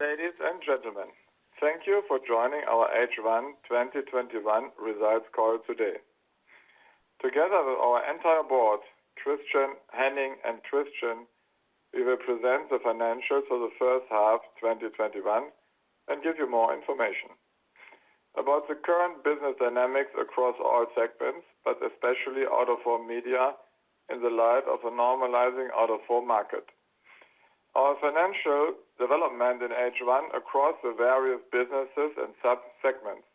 Ladies and gentlemen, thank you for joining our H1 2021 results call today. Together with our entire board, Christian, Henning, and Christian, we will present the financials for the first half of 2021 and give you more information about the current business dynamics across all segments, but especially Out-of-Home media, in light of a normalizing Out-of-Home market. Our financial development in H1 across the various businesses and sub-segments.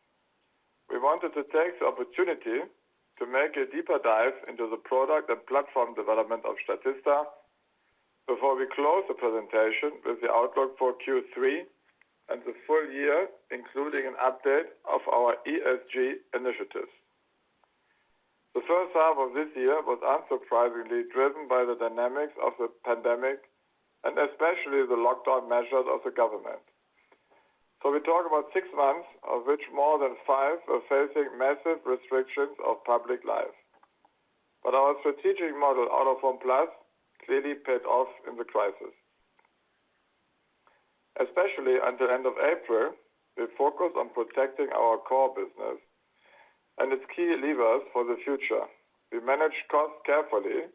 We wanted to take the opportunity to make a deeper dive into the product and platform development of Statista before we close the presentation with the outlook for Q3 and the full year, including an update of our ESG initiatives. The first half of this year was unsurprisingly driven by the dynamics of the pandemic and especially the lockdown measures of the government. We talk about six months, of which more than five were spent facing massive restrictions of public life. Our strategic model, OOH-plus, clearly paid off in the crisis. Especially at the end of April, we focused on protecting our core business and its key levers for the future. We managed costs carefully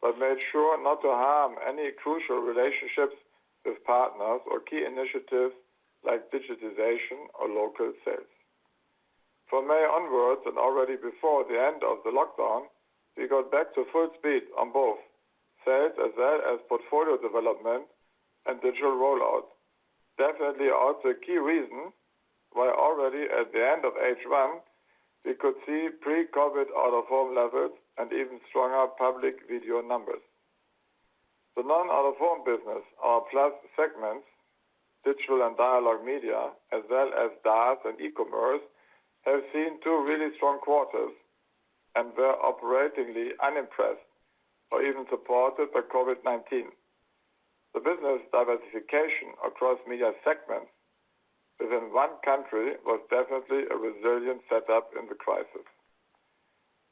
but made sure not to harm any crucial relationships with partners or key initiatives like digitization or local sales. From May onwards, and already before the end of the lockdown, we got back to full speed on sales as well as portfolio development and digital rollout. Definitely also a key reason why already at the end of H1, we could see pre-COVID Out-of-Home levels and even stronger public video numbers. The non-Out-of-Home businesses, our Plus segments, Digital, and Dialogue Media, as well as DAS and e-commerce, have seen two really strong quarters and were operating unimpressed or even supported by COVID-19. The business diversification across media segments within one country was definitely a resilient setup in the crisis.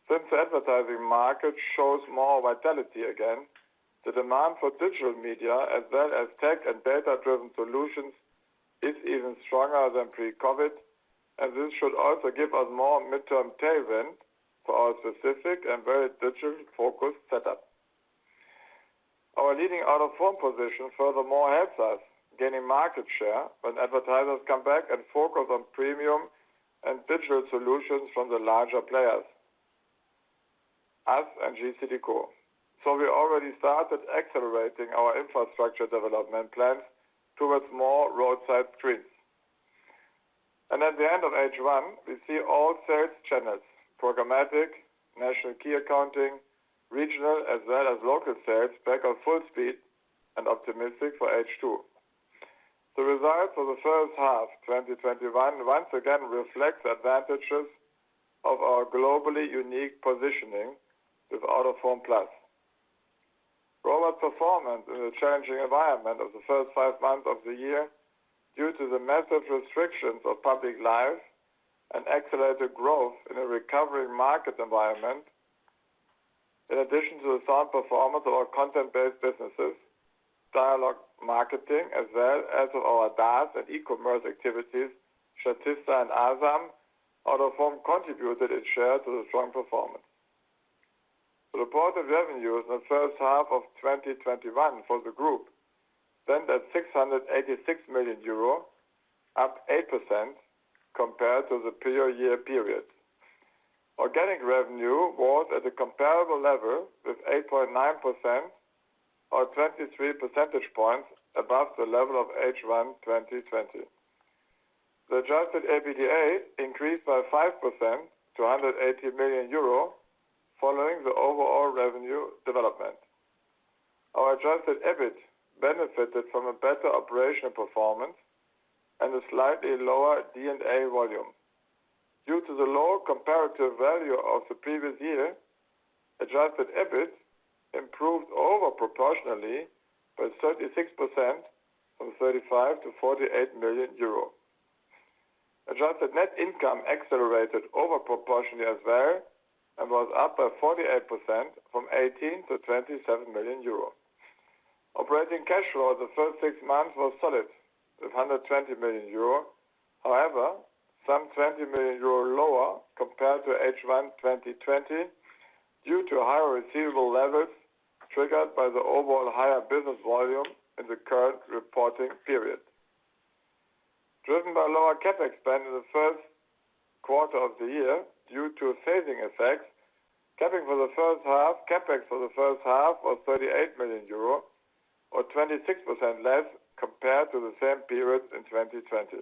Since the advertising market shows more vitality again, the demand for digital media as well as tech and data-driven solutions is even stronger than pre-COVID, and this should also give us more midterm tailwind for our specific and very digital-focused setup. Our leading Out-of-Home position, furthermore, helps us gain market share when advertisers come back and focus on premium and digital solutions from the larger players, us and JCDecaux. We already started accelerating our infrastructure development plans towards more roadside screens. At the end of H1, we see all sales channels, programmatic, national key account, and regional, as well as local sales, back at full speed and optimistic for H2. The results for the first half of 2021 once again reflect the advantages of our globally unique positioning with OOH+. Robust performance in the challenging environment of the first five months of the year due to the massive restrictions of public life and accelerated growth in a recovering market environment. In addition to the sound performance of our content-based businesses, dialogue marketing, as well as of our DAS and e-commerce activities, Statista and Asam, Out-of-Home contributed its share to the strong performance. Reported revenues in the first half of 2021 for the group stand at 686 million euro, up 8% compared to the prior-year period. Organic revenue was at a comparable level with 8.9%, or 23 percentage points above the level of H1 2020. The adjusted EBITDA increased by 5% to 180 million euro following the overall revenue development. Our adjusted EBIT benefited from a better operational performance and a slightly lower D&A volume. Due to the lower comparative value of the previous year, adjusted EBIT improved overproportionally by 36% from 35 million-48 million euro. Adjusted net income accelerated overproportionally as well and was up by 48% from 18 million-27 million euro. Operating cash flow the first six months was solid at 120 million euro. Some 20 million euro lower compared to H1 2020 due to higher receivable levels triggered by the overall higher business volume in the current reporting period. Driven by lower CapEx spend in the first quarter of the year due to saving effects, CapEx for the first half was 38 million euro or 26% less compared to the same period in 2020.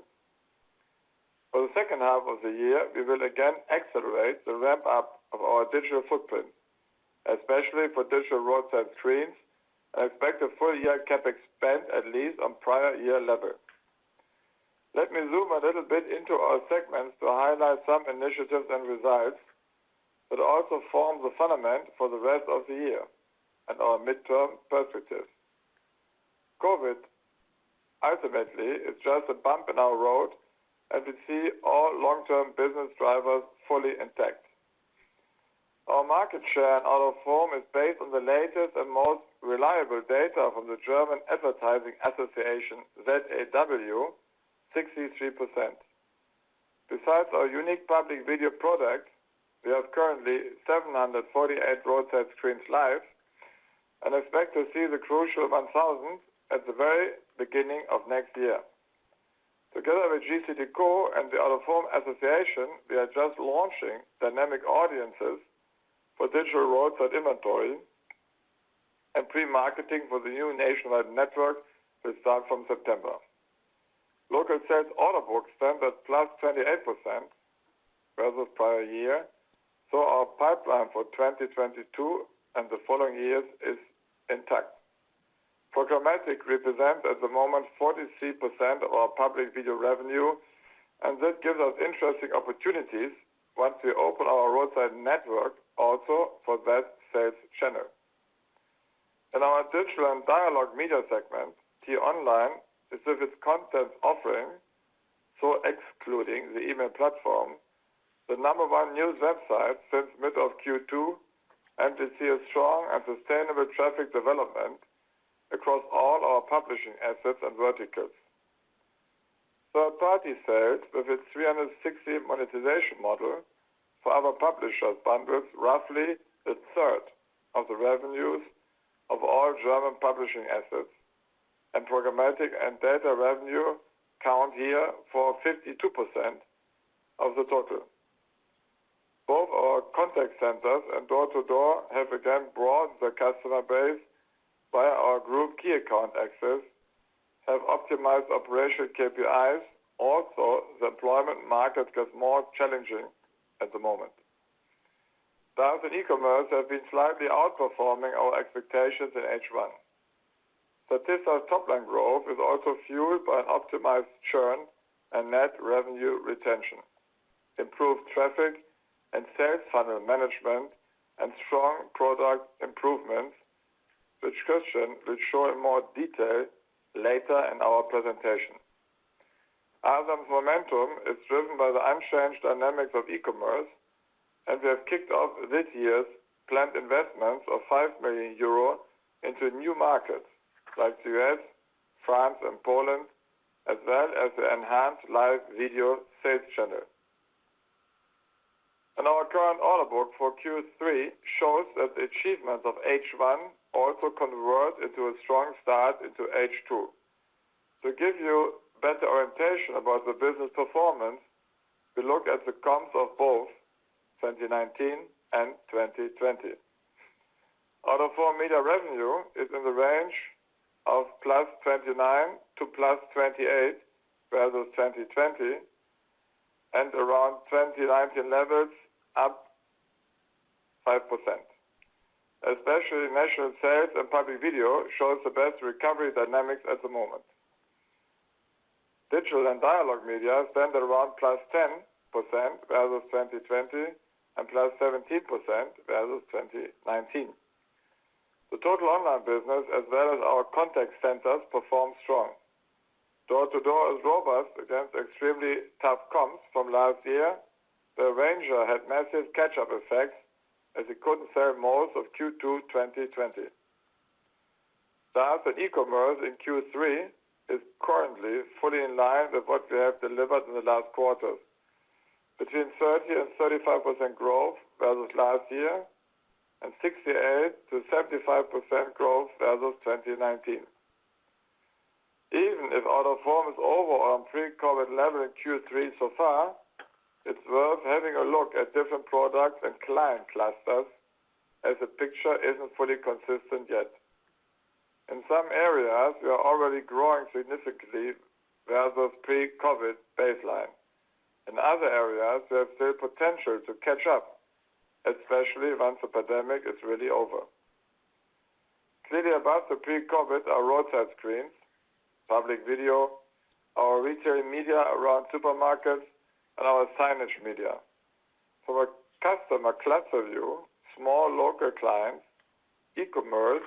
For the second half of the year, we will again accelerate the ramp-up of our digital footprint, especially for digital roadside screens, and expect a full-year CapEx spend at least on the prior year level. Let me zoom a little bit into our segments to highlight some initiatives and results that also form the foundation for the rest of the year and our midterm perspectives. COVID ultimately is just a bump in our road, as we see all long-term business drivers fully intact. Our market share in Out-of-Home is based on the latest and most reliable data from the German Advertising Federation, ZAW: 63%. Besides our unique public video product, we currently have 748 roadside screens live and expect to see the crucial 1,000 at the very beginning of next year. Together with JCDecaux and the Out-of-Home Association, we are just launching dynamic audiences for digital roadside inventory and pre-marketing for the new nationwide network to start from September. Local sales order book stand is at +28% versus the prior year. Our pipeline for 2022 and the following years is intact. Programmatic represents, at the moment, 43% of our public video revenue. This gives us interesting opportunities once we open our roadside network also for that sales channel. In our Digital and Dialog Media segment, t-online.de is with its content offering, excluding the email platform, the number one news website since mid-Q2. We see a strong and sustainable traffic development across all our publishing assets and verticals. Third-party sales, with its 360 monetization model for our publishers, bundles roughly a third of the revenues of all German publishing assets, and programmatic and data revenue count here for 52% of the total. Both our contact centers and door-to-door have again grown the customer base via our group key account access and have optimized operational KPIs, although the employment market gets more challenging at the moment. DACH and e-commerce have been slightly outperforming our expectations in H1. Statista's top-line growth is also fueled by optimized churn and net revenue retention, improved traffic and sales funnel management, and strong product improvements, which Christian will show in more detail later in our presentation. Asam's momentum is driven by the unchanged dynamics of e-commerce. We have kicked off this year's planned investments of 5 million euro into new markets like the U.S., France, and Poland, as well as the enhanced live video sales channel. Our current order book for Q3 shows that the achievements of H1 also convert into a strong start for H2. To give you better orientation about the business performance, we look at the comps of both 2019 and 2020. Out-of-Home media revenue is in the range of +29% to +28% versus 2020 and around 2019 levels, up 5%. Especially national sales and public video show the best recovery dynamics at the moment. Digital and Dialog Media stand around 10% higher versus 2020 and 17% higher versus 2019. The total online business as well as our contact centers perform strongly. Door-to-door is robust against extremely tough comps from last year. The Ranger had massive catch-up effects as he couldn't sell most of Q2 2020. DACH and e-commerce in Q3 are currently fully in line with what we have delivered in the last quarters. Between 30%-35% growth versus last year and 68%-75% growth versus 2019. Even if Out-of-Home is over the pre-COVID level in Q3 so far, it's worth having a look at different products and client clusters, as the picture isn't fully consistent yet. In some areas, we are already growing significantly versus the pre-COVID baseline. In other areas, we still have the potential to catch up, especially once the pandemic is really over. Clearly above the pre-COVID are roadside screens, public video, our retail media around supermarkets, and our signage media. From a customer cluster view, small local clients, e-commerce,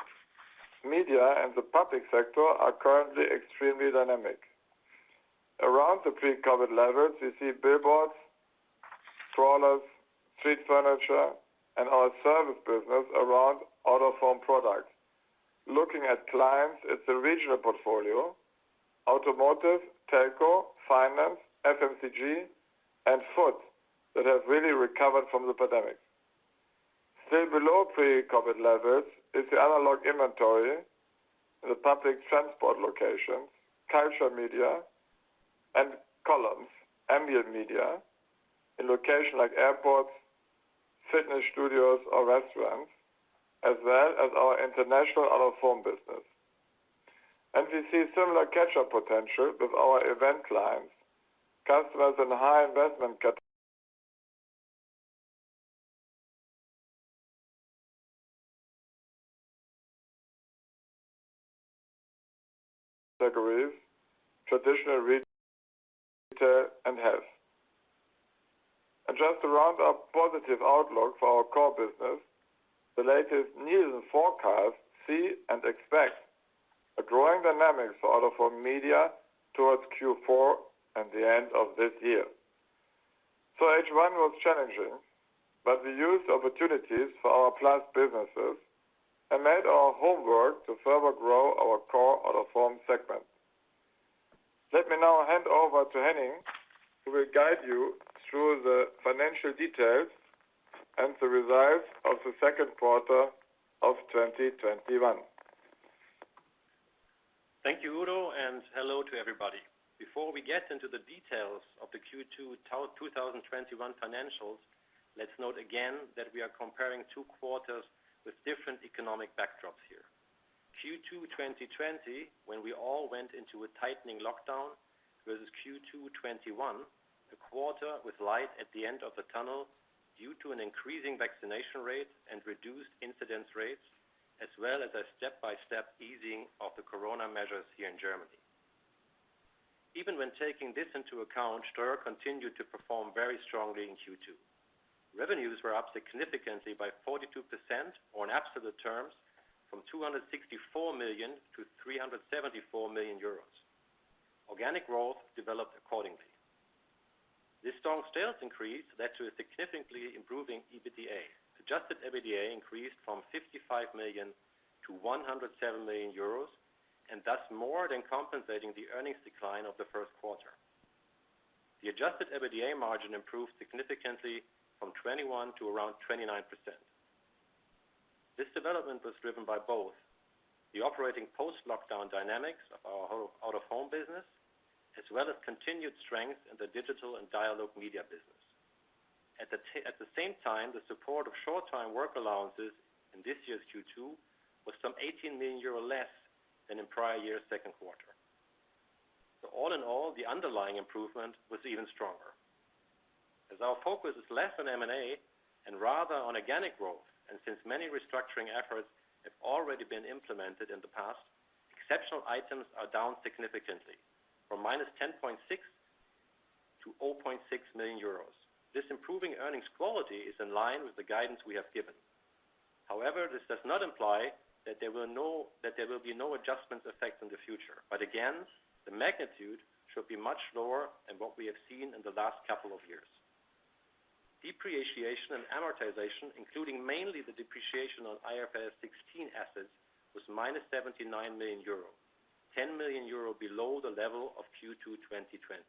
media, and the public sector are currently extremely dynamic. Around the pre-COVID levels, we see billboards, trailers, street furniture, and our service business around Out-of-Home products. Looking at clients, it's the regional portfolio, automotive, telco, finance, FMCG, and food that have really recovered from the pandemic. Still below pre-COVID levels is the analog inventory in the public transport locations, Culture Media and Columns, Ambient media in locations like airports, fitness studios, or restaurants, as well as our international Out-of-Home business. We see similar catch-up potential with our event clients, customers in high-investment categories, traditional retail, and health. Just to round up positive outlook for our core business. The latest Nielsen forecast sees and expects a growing dynamic for Out-of-Home media towards Q4 and the end of this year. H1 was challenging, but we used opportunities for our Plus businesses and did our homework to further grow our core Out-of-Home segment. Let me now hand over to Henning, who will guide you through the financial details and the results of the second quarter of 2021. Thank you, Udo, and hello to everybody. Before we get into the details of Q2 2021 financials, let's note again that we are comparing two quarters with different economic backdrops here. Q2 2020, when we all went into a tightening lockdown, versus Q2 2021, a quarter with light at the end of the tunnel due to an increasing vaccination rate and reduced incidence rates, as well as a step-by-step easing of the COVID measures here in Germany. Even when taking this into account, Ströer continued to perform very strongly in Q2. Revenues were up significantly by 42%, or in absolute terms, from 264 million-374 million euros. Organic growth developed accordingly. This strong sales increase led to a significantly improving EBITDA. Adjusted EBITDA increased from 55 million-107 million euros, thus more than compensating for the earnings decline of the first quarter. The adjusted EBITDA margin improved significantly from 21% to around 29%. This development was driven by both the operating post-lockdown dynamics of our Out-of-Home business and continued strength in the digital and dialogue media business. At the same time, the support of short-time work allowances in this year's Q2 was some 18 million euro less than in the prior year's second quarter. All in all, the underlying improvement was even stronger. As our focus is less on M&A and rather on organic growth, and since many restructuring efforts have already been implemented in the past, exceptional items are down significantly, from -10.6 million-0.6 million euros. This improving earnings quality is in line with the guidance we have given. This does not imply that there will be no adjustments made in the future. Again, the magnitude should be much lower than what we have seen in the last couple of years. Depreciation and amortization, including mainly the depreciation on IFRS 16 assets, was -79 million euro, 10 million euro below the level of Q2 2020.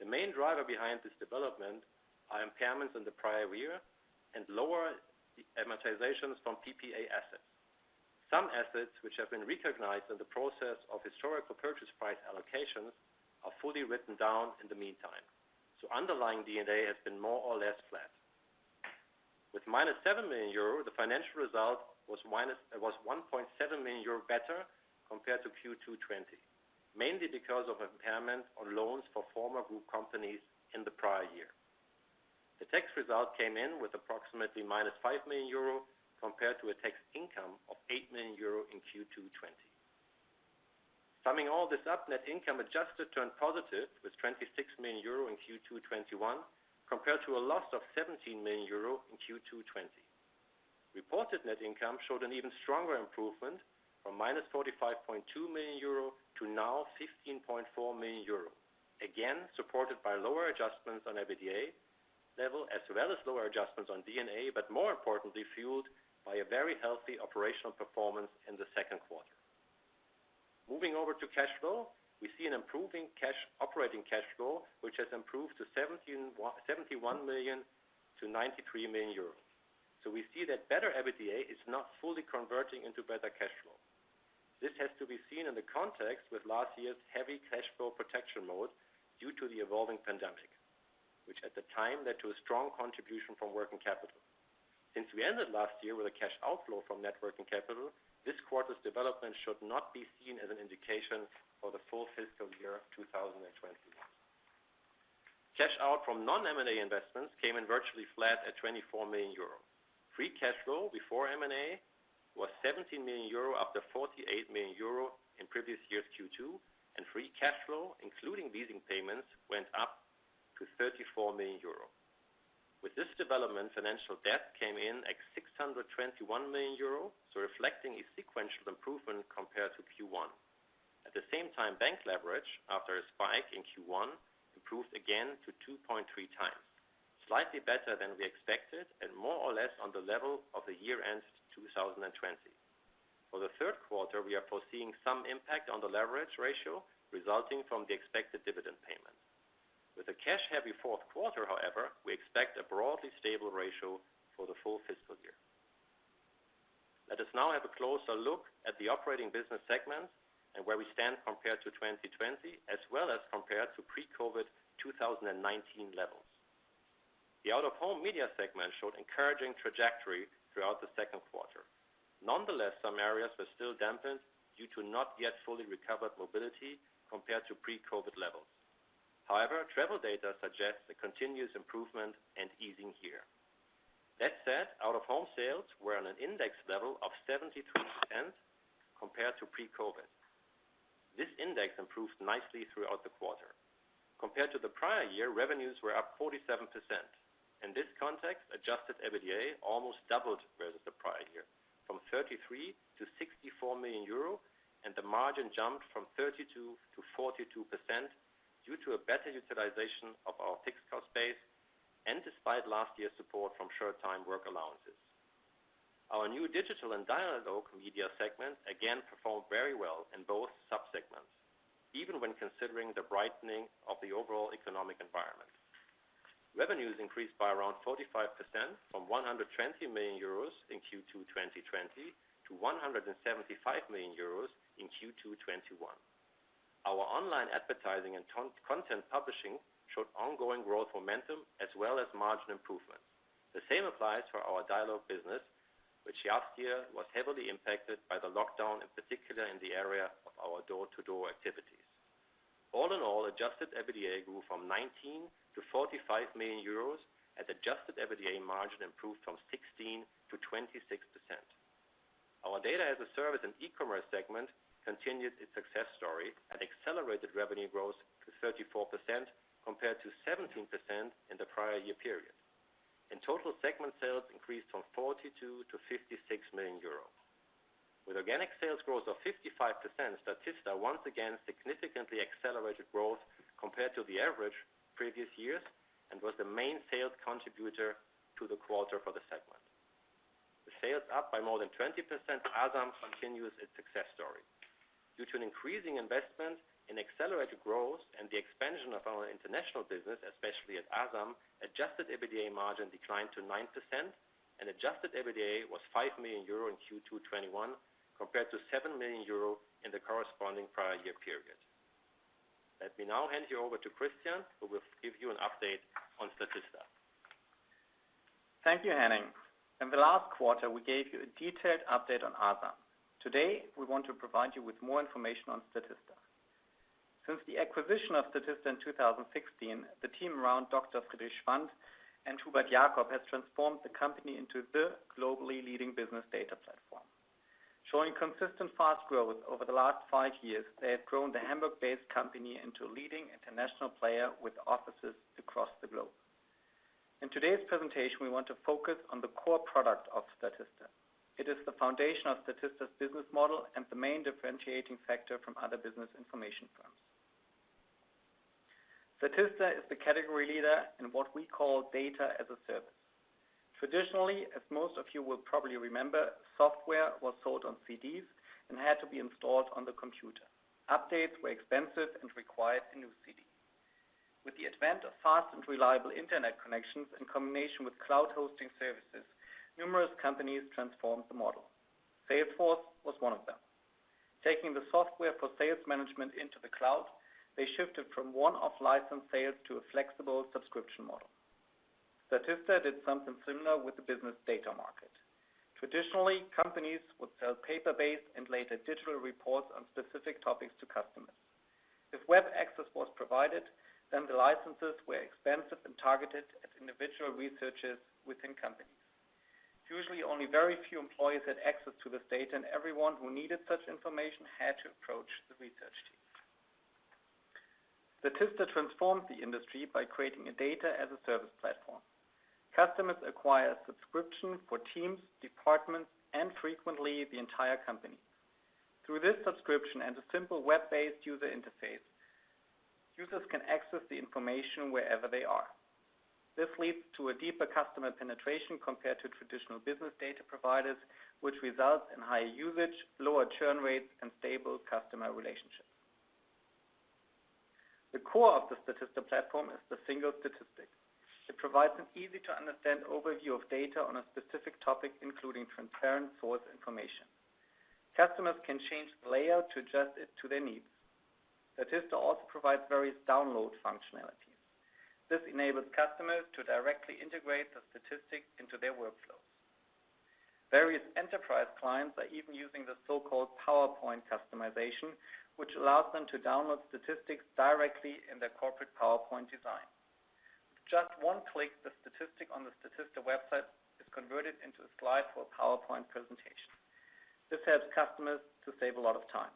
The main drivers behind this development are impairments in the prior year and lower amortizations from PPA assets. Some assets, which have been recognized in the process of historical purchase price allocations, are fully written down in the meantime. Underlying D&A has been more or less flat. With -7 million euro, the financial result was 1.7 million euro better compared to Q2 2020, mainly because of impairment on loans for former group companies in the prior year. The tax result came in with approximately -5 million euro, compared to a tax income of 8 million euro in Q2 2020. Summing all this up, net income adjusted turned positive with 26 million euro in Q2 2021, compared to a loss of 17 million euro in Q2 2020. Reported net income showed an even stronger improvement from -45.2 million-15.4 million euro. Supported by lower adjustments on the EBITDA level as well as lower adjustments on D&A, more importantly, fueled by a very healthy operational performance in the second quarter. Moving over to cash flow, we see an improving operating cash flow, which has improved to 71 million-93 million euros. We see that better EBITDA is not fully converting into better cash flow. This has to be seen in the context of last year's heavy cash flow protection mode due to the evolving pandemic, which at the time led to a strong contribution from working capital. Since we ended last year with a cash outflow from net working capital, this quarter's development should not be seen as an indication for the full fiscal year 2021. Cash out from non-M&A investments came in virtually flat at 24 million euro. Free cash flow before M&A was 17 million euro, up from 48 million euro in the previous year's Q2. Free cash flow, including leasing payments, went up to 34 million euro. With this development, financial debt came in at 621 million euro, reflecting a sequential improvement compared to Q1. At the same time, bank leverage, after a spike in Q1, improved again to 2.3x, slightly better than we expected and more or less on the level of year-end 2020. For the third quarter, we are foreseeing some impact on the leverage ratio resulting from the expected dividend payment. With a cash-heavy fourth quarter, however, we expect a broadly stable ratio for the full fiscal year. Let us now have a closer look at the operating business segments and where we stand compared to 2020 as well as compared to pre-COVID 2019 levels. The Out-of-Home media segment showed an encouraging trajectory throughout the second quarter. Nonetheless, some areas were still dampened due to not yet fully recovered mobility compared to pre-COVID levels. However, travel data suggests a continuous improvement and easing here. That said, Out-of-Home sales were on an index level of 73% compared to pre-COVID. This index improved nicely throughout the quarter. Compared to the prior year, revenues were up 47%. In this context, adjusted EBITDA almost doubled versus the prior year, from 33 million-64 million euro, and the margin jumped from 32%-42% due to a better utilization of our fixed cost base and despite last year's support from short-time work allowances. Our new digital and dialogue media segment again performed very well in both sub-segments, even when considering the brightening of the overall economic environment. Revenues increased by around 45% from 120 million euros in Q2 2020 to 175 million euros in Q2 2021. Our online advertising and content publishing showed ongoing growth momentum as well as margin improvements. The same applies for our dialogue business, which last year was heavily impacted by the lockdown, in particular in the area of our door-to-door activities. All in all, adjusted EBITDA grew from 19 million-45 million euros as adjusted EBITDA margin improved from 16%-26%. Our Data as a Service and e-commerce segment continued its success story and accelerated revenue growth to 34% compared to 17% in the prior year period. In total, segment sales increased from 42 million-56 million euro. With organic sales growth of 55%, Statista once again significantly accelerated growth compared to the average previous years and was the main sales contributor to the quarter for the segment. The sales are up by more than 20%, Asam continues its success story. Due to an increasing investment in accelerated growth and the expansion of our international business, especially at Asam, the adjusted EBITDA margin declined to 9%, and adjusted EBITDA was 5 million euro in Q2 2021 compared to 7 million euro in the corresponding prior-year period. Let me now hand you over to Christian, who will give you an update on Statista. Thank you, Henning. In the last quarter, we gave you a detailed update on Asam. Today, we want to provide you with more information on Statista. Since the acquisition of Statista in 2016, the team around Dr. Friedrich Schwandt and Hubert Jakob has transformed the company into the globally leading business data platform. Showing consistent fast growth over the last five years, they have grown the Hamburg-based company into a leading international player with offices across the globe. In today's presentation, we want to focus on the core product of Statista. It is the foundation of Statista's business model and the main differentiating factor from other business information firms. Statista is the category leader in what we call data as a service. Traditionally, as most of you will probably remember, software was sold on CDs and had to be installed on the computer. Updates were expensive and required a new CD. With the advent of fast and reliable internet connections in combination with cloud hosting services, numerous companies transformed the model. Salesforce was one of them. Taking the software for sales management into the cloud, they shifted from one-off license sales to a flexible subscription model. Statista did something similar with the business data market. Traditionally, companies would sell paper-based and later digital reports on specific topics to customers. If web access was provided, then the licenses were expensive and targeted at individual researchers within companies. Usually, only very few employees had access to this data, and everyone who needed such information had to approach the research team. Statista transformed the industry by creating a data-as-a-service platform. Customers acquire subscriptions for teams, departments, and frequently the entire company. Through this subscription and a simple web-based user interface, users can access the information wherever they are. This leads to a deeper customer penetration compared to traditional business data providers, which results in higher usage, lower churn rates, and stable customer relationships. The core of the Statista platform is the single statistic. It provides an easy-to-understand overview of data on a specific topic, including transparent source information. Customers can change the layout to adjust it to their needs. Statista also provides various download functionalities. This enables customers to directly integrate the statistics into their workflows. Various enterprise clients are even using the so-called PowerPoint customization, which allows them to download statistics directly in their corporate PowerPoint design. With just one click, the statistic on the Statista website is converted into a slide for a PowerPoint presentation. This helps customers to save a lot of time.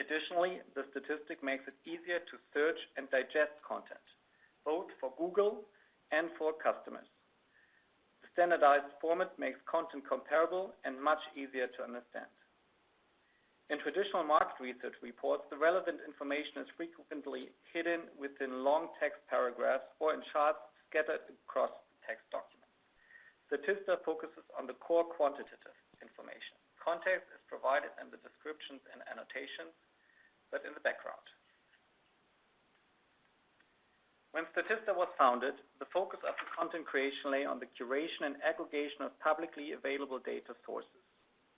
Additionally, Statista makes it easier to search and digest content, both for Google and for customers. The standardized format makes content comparable and much easier to understand. In traditional market research reports, the relevant information is frequently hidden within long text paragraphs or in charts scattered across the text document. Statista focuses on the core quantitative information. Context is provided in the descriptions and annotations, but in the background. When Statista was founded, the focus of the content creation lay on the curation and aggregation of publicly available data sources.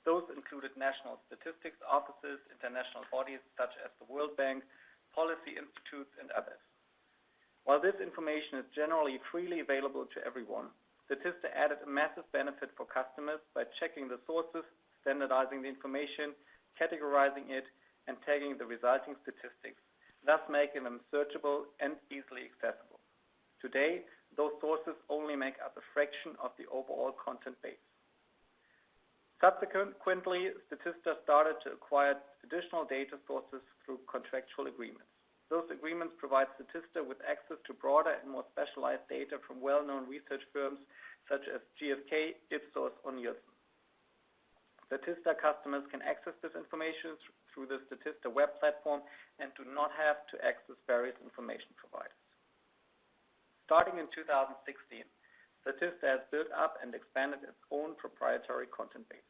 Those included national statistics offices, international bodies such as the World Bank, policy institutes, and others. While this information is generally freely available to everyone, Statista added a massive benefit for customers by checking the sources, standardizing the information, categorizing it, and tagging the resulting statistics, thus making them searchable and easily accessible. Today, those sources only make up a fraction of the overall content base. Subsequently, Statista started to acquire additional data sources through contractual agreements. Those agreements provide Statista with access to broader and more specialized data from well-known research firms such as GfK, Ipsos, and YouGov. Statista customers can access this information through the Statista web platform and do not have to access various information providers. Starting in 2016, Statista has built up and expanded its own proprietary content base.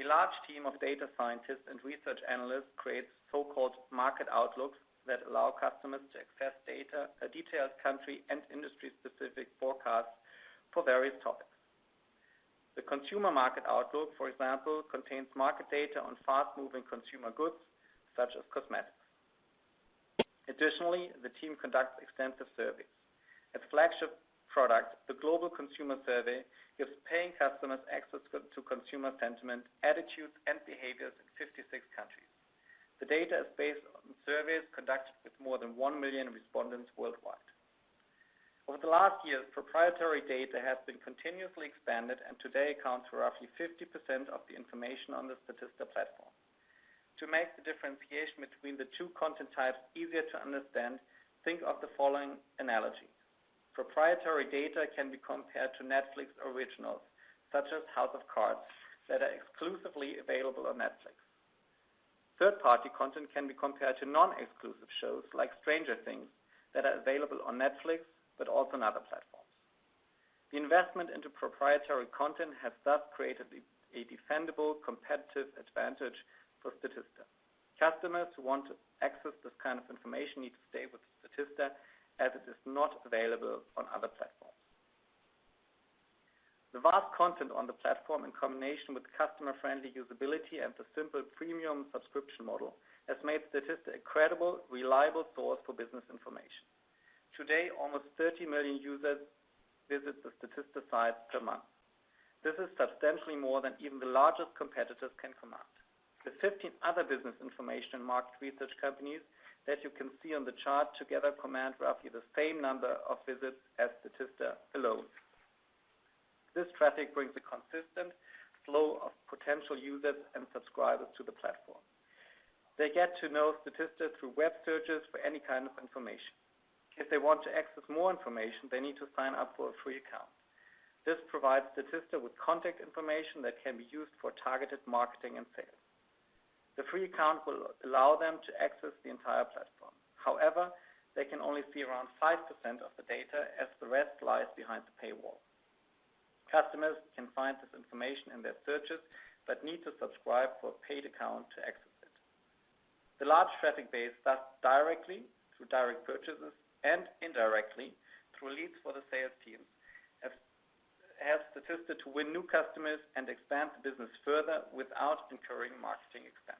A large team of data scientists and research analysts creates so-called Market Outlooks that allow customers to access data, a detailed country, and industry-specific forecasts for various topics. The Consumer Market Outlook, for example, contains market data on fast-moving consumer goods, such as cosmetics. Additionally, the team conducts extensive surveys. Its flagship product, the Global Consumer Survey, gives paying customers access to consumer sentiment, attitudes, and behaviors in 56 countries. The data is based on surveys conducted with more than one million respondents worldwide. Over the last years, proprietary data has been continuously expanded and today accounts for roughly 50% of the information on the Statista platform. To make the differentiation between the two content types easier to understand, think of the following analogy. Proprietary data can be compared to Netflix originals, such as House of Cards, that are exclusively available on Netflix. Third-party content can be compared to non-exclusive shows like Stranger Things that are available on Netflix but also on other platforms. The investment into proprietary content has thus created a defendable competitive advantage for Statista. Customers who want to access this kind of information need to stay with Statista, as it is not available on other platforms. The vast content on the platform in combination with customer-friendly usability and the simple premium subscription model has made Statista a credible, reliable source for business information. Today, almost 30 million users visit the Statista site per month. This is substantially more than even the largest competitors can command. The 15 other business information market research companies that you can see on the chart together command roughly the same number of visits as Statista alone. This traffic brings a consistent flow of potential users and subscribers to the platform. They get to know Statista through web searches for any kind of information. If they want to access more information, they need to sign up for a free account. This provides Statista with contact information that can be used for targeted marketing and sales. The free account will allow them to access the entire platform. However, they can only see around 5% of the data, as the rest lies behind the paywall. Customers can find this information in their searches but need to subscribe for a paid account to access it. The large traffic base thus directly, through direct purchases, and indirectly, through leads for the sales team, helps Statista to win new customers and expand the business further without incurring marketing expense.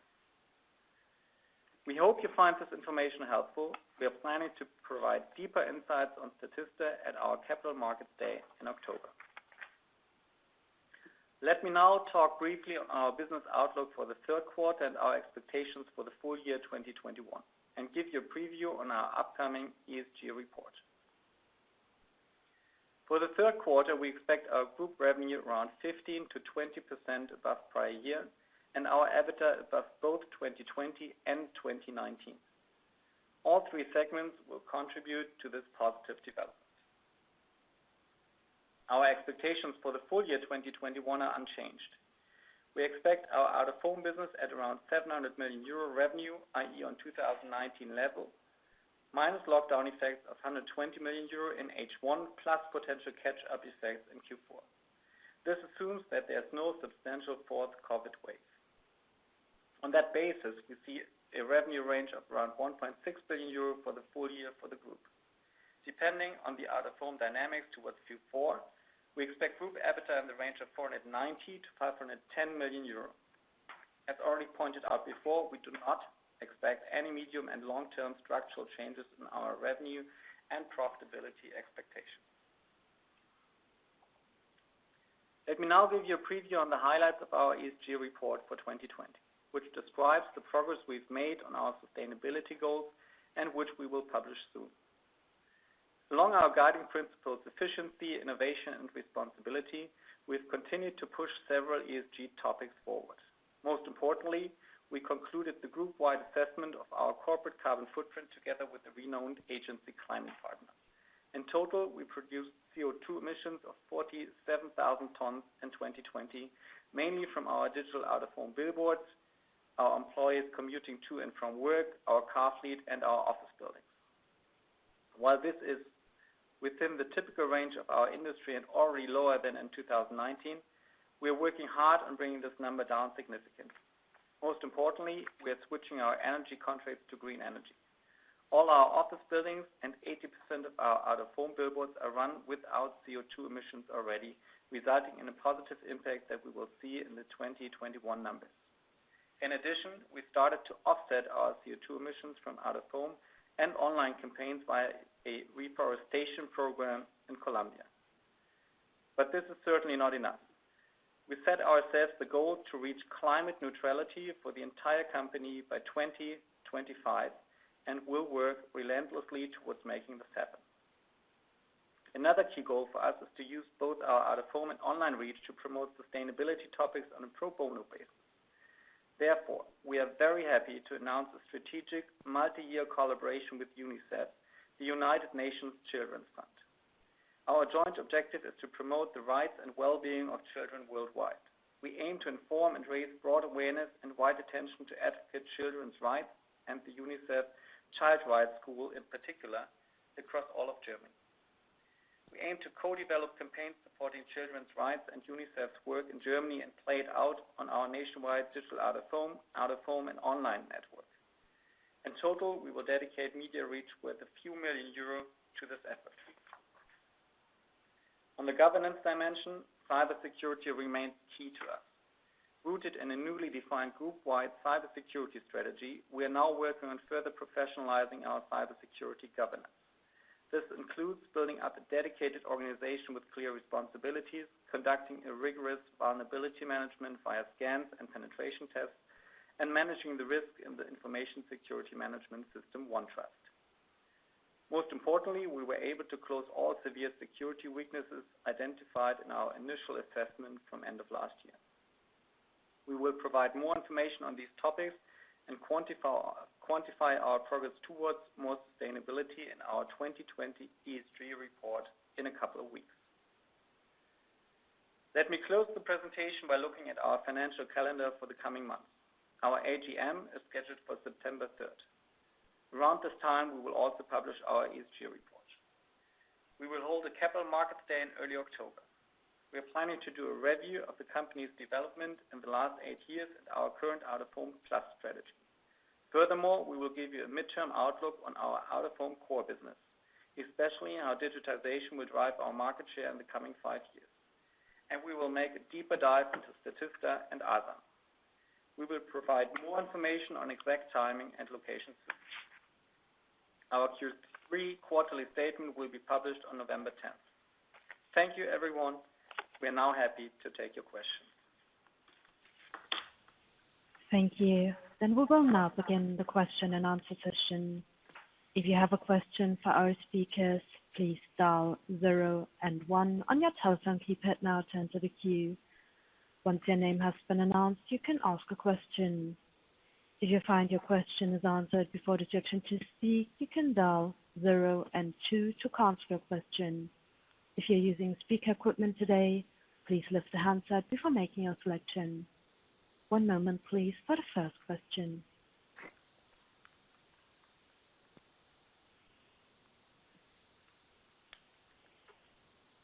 We hope you find this information helpful. We are planning to provide deeper insights on Statista at our Capital Markets Day in October. Let me now talk briefly about our business outlook for the third quarter and our expectations for the full year 2021 and give you a preview of our upcoming ESG report. For the third quarter, we expect our group revenue around 15%-20% above the prior year and our EBITDA above both 2020 and 2019. All three segments will contribute to this positive development. Our expectations for the full year 2021 are unchanged. We expect our Out-of-Home business at around 700 million euro revenue, i.e., on the 2019 level, minus lockdown effects of 120 million euro in H1, plus potential catch-up effects in Q4. This assumes that there's no substantial fourth COVID wave. On that basis, we see a revenue range of around 1.6 billion euro for the full year for the group. Depending on the Out-of-Home dynamics towards Q4, we expect group EBITDA in the range of 490 million-510 million euros. As already pointed out before, we do not expect any medium and long-term structural changes in our revenue and profitability expectations. Let me now give you a preview of the highlights of our ESG report for 2020, which describes the progress we've made on our sustainability goals and which we will publish soon. Along with our guiding principles, efficiency, innovation, and responsibility, we've continued to push several ESG topics forward. Most importantly, we concluded the group-wide assessment of our corporate carbon footprint together with the renowned agency, ClimatePartner. In total, we produced CO₂ emissions of 47,000 tons in 2020, mainly from our digital Out-of-Home billboards, our employees commuting to and from work, our car fleet, and our office buildings. While this is within the typical range of our industry and already lower than in 2019, we are working hard on bringing this number down significantly. Most importantly, we are switching our energy contracts to green energy. All our office buildings and 80% of our Out-of-Home billboards are run without CO₂ emissions already, resulting in a positive impact that we will see in the 2021 numbers. In addition, we started to offset our CO₂ emissions from Out-of-Home and online campaigns via a reforestation program in Colombia. This is certainly not enough. We set ourselves the goal to reach climate neutrality for the entire company by 2025, and we'll work relentlessly towards making this happen. Another key goal for us is to use both our Out-of-Home and online reach to promote sustainability topics on a pro bono basis. We are very happy to announce a strategic multi-year collaboration with UNICEF, the United Nations Children's Fund. Our joint objective is to promote the rights and well-being of children worldwide. We aim to inform and raise broad awareness and wide attention to advocate children's rights and the UNICEF Child Rights School, in particular, across all of Germany. We aim to co-develop campaigns supporting children's rights and UNICEF's work in Germany and play it out on our nationwide digital Out-of-Home and online network. In total, we will dedicate media reach worth a few million EUR to this effort. On the governance dimension, cybersecurity remains key to us. Rooted in a newly defined group-wide cybersecurity strategy, we are now working on further professionalizing our cybersecurity governance. This includes building up a dedicated organization with clear responsibilities, conducting a rigorous vulnerability management via scans and penetration tests, and managing the risk in the information security management system, OneTrust. Most importantly, we were able to close all severe security weaknesses identified in our initial assessment from the end of last year. We will provide more information on these topics and quantify our progress towards more sustainability in our 2020 ESG report in a couple of weeks. Let me close the presentation by looking at our financial calendar for the coming months. Our AGM is scheduled for September 3rd. Around this time, we will also publish our ESG report. We will hold a Capital Markets Day in early October. We are planning to do a review of the company's development in the last eight years and our current Out-of-Home Plus strategy. Furthermore, we will give you a midterm outlook on our Out-of-Home core business, especially how digitization will drive our market share in the coming five years. We will make a deeper dive into Statista and Asam. We will provide more information on exact timing and location soon. Our Q3 quarterly statement will be published on November 10th. Thank you, everyone. We are now happy to take your questions. Thank you. We will now begin the question-and-answer session. If you have a question for our speakers, please dial zero and one on your telephone keypad now to enter the queue. Once your name has been announced, you can ask a question. If you find your question is answered before it is your turn to speak, you can dial zero and two to cancel your question. If you're using speaker equipment today, please lift the handset before making your selection. One moment, please, for our first question.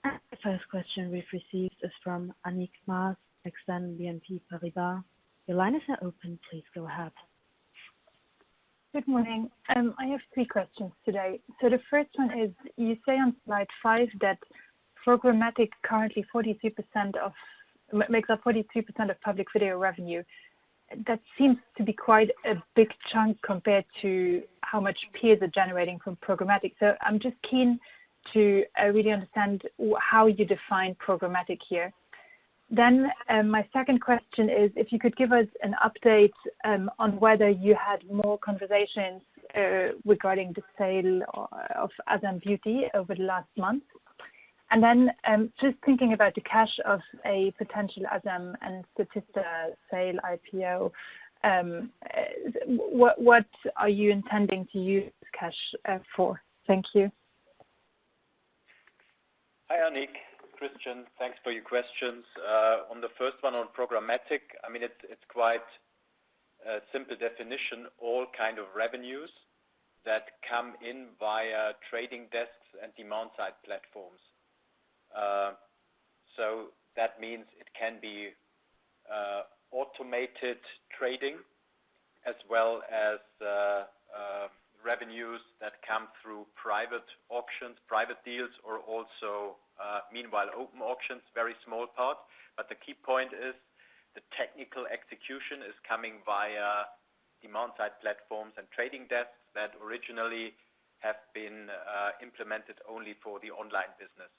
The first question we've received is from Annick Maas, Exane BNP Paribas. Your line is now open, please go ahead. Good morning. I have three questions today. The first one is you say on slide five that programmatic currently makes up 43% of public video revenue. That seems to be quite a big chunk compared to how much peers are generating from programmatic. I'm just keen to really understand how you define programmatic here? My second question is, could you give us an update on whether you had more conversations regarding the sale of AsamBeauty over the last month? Just thinking about the cash of a potential Asam and Statista sale IPO, what are you intending to use this cash for? Thank you. Hi, Annick. Christian. Thanks for your questions. On the first one on programmatic, it's quite a simple definition: all kinds of revenues that come in via trading desks and demand-side platforms. That means it can be automated trading as well as revenues that come through private auctions, private deals, or also, meanwhile, open auctions, a very small part. The key point is the technical execution is coming via demand-side platforms and trading desks that originally have been implemented only for the online business.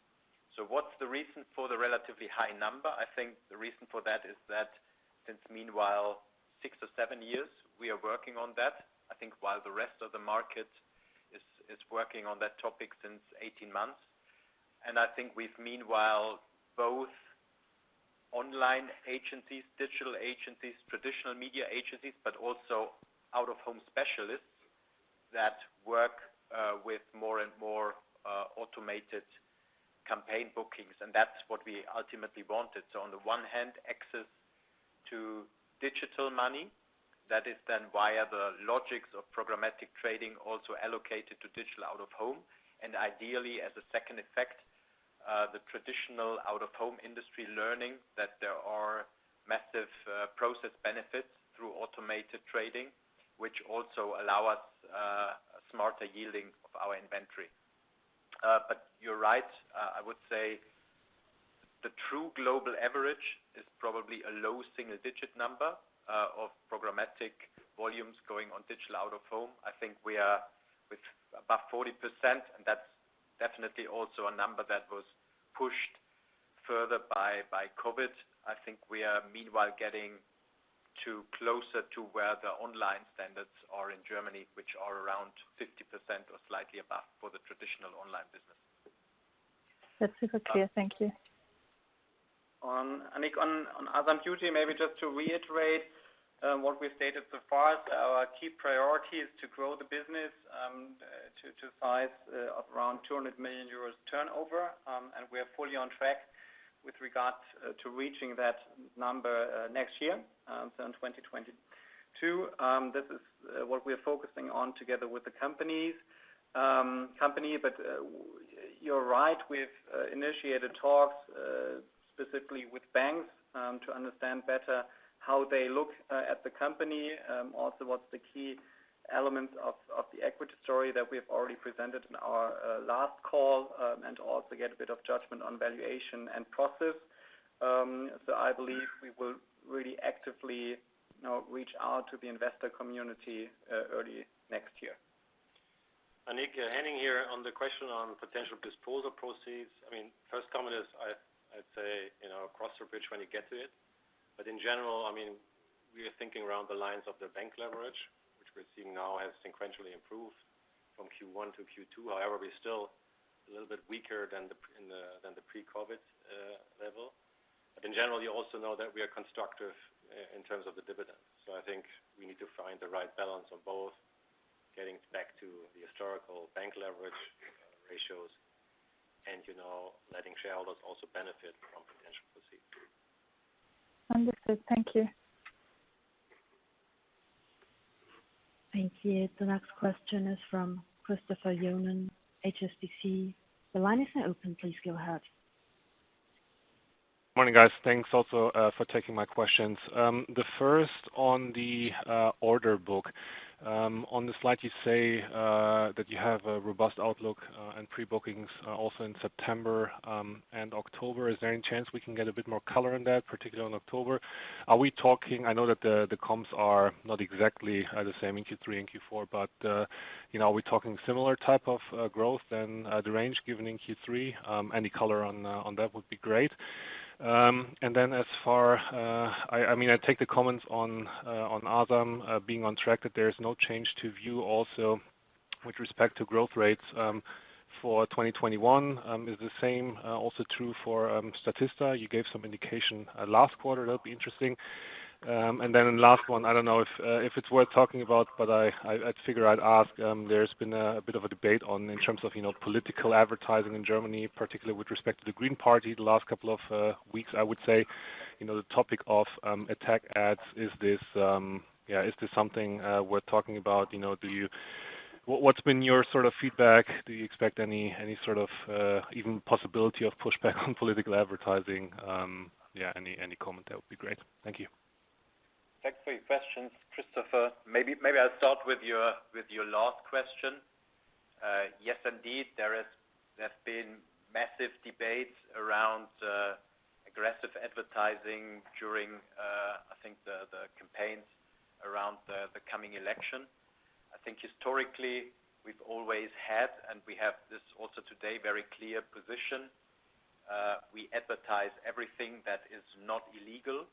What's the reason for the relatively high number? I think the reason for that is that, meanwhile, for six or seven years, we have been working on that, while I think the rest of the market has been working on that topic for 18 months. I think we've, meanwhile, both online agencies, digital agencies, and traditional media agencies, but also Out-of-Home specialists that work with more and more automated campaign bookings, and that's what we ultimately wanted. On the one hand, access to digital money, which is then via the logic of programmatic trading, is also allocated to digital Out-of-Home, and ideally as a second effect, the traditional Out-of-Home industry learns that there are massive process benefits through automated trading, which also allows us a smarter yielding of our inventory. You're right. I would say the true global average is probably a low single-digit number of programmatic volumes going on in digital Out-of-Home. I think we are above 40%, and that's definitely also a number that was pushed further by COVID. I think we are, meanwhile, getting closer to where the online standards are in Germany, which are around 50% or slightly above for the traditional online business. That's super clear. Thank you. On AsamBeauty, maybe just to reiterate what we've stated so far, our key priority is to grow the business to a size of around 200 million euros in turnover, and we are fully on track with regard to reaching that number next year, so in 2022. This is what we're focusing on together with the company. You're right, we've initiated talks, specifically with banks, to understand better how they look at the company. Also, what are the key elements of the equity story that we have already presented in our last call, and can we also get a bit of judgment on valuation and process? I believe we will really actively reach out to the investor community early next year. Annick, Henning here. On the question of potential disposal proceeds. First comment is, I'd say, cross that bridge when you get to it. In general, we are thinking along the lines of the bank leverage, which we're seeing now has sequentially improved from Q1 to Q2. However, we're still a little bit weaker than the pre-COVID level. In general, you also know that we are constructive in terms of the dividends. I think we need to find the right balance of both getting back to the historical bank leverage ratios and letting shareholders also benefit from potential proceeds. Understood. Thank you. Thank you. The next question is from Christopher Johnen, HSBC. The line is now open. Please go ahead. Morning, guys. Thanks also for taking my questions. The first on the order book. On the slide, you say that you have a robust outlook and pre-bookings also in September and October. Is there any chance we can get a bit more color on that, particularly on October? I know that the comps are not exactly the same in Q3 and Q4, but are we talking a similar type of growth to the range given in Q3? Any color on that would be great. I take the comments on Asam being on track, that there is no change to view, also with respect to growth rates for 2021. Is the same also true for Statista? You gave some indication last quarter. That'll be interesting. Last one, I don't know if it's worth talking about, but I figured I'd ask. There's been a bit of a debate in terms of political advertising in Germany, particularly with respect to the Green Party the last couple of weeks, I would say. The topic of attack ads, is this something worth talking about? What's been your sort of feedback? Do you expect any sort of even possibility of pushback on political advertising? Any comment, that would be great. Thank you. Thanks for your questions, Christopher. I'll start with your last question. Yes, indeed, there's been massive debate around aggressive advertising during, I think, the campaigns around the coming election. I think historically, we've always had, and we have this also today, a very clear position. We advertise everything that is not illegal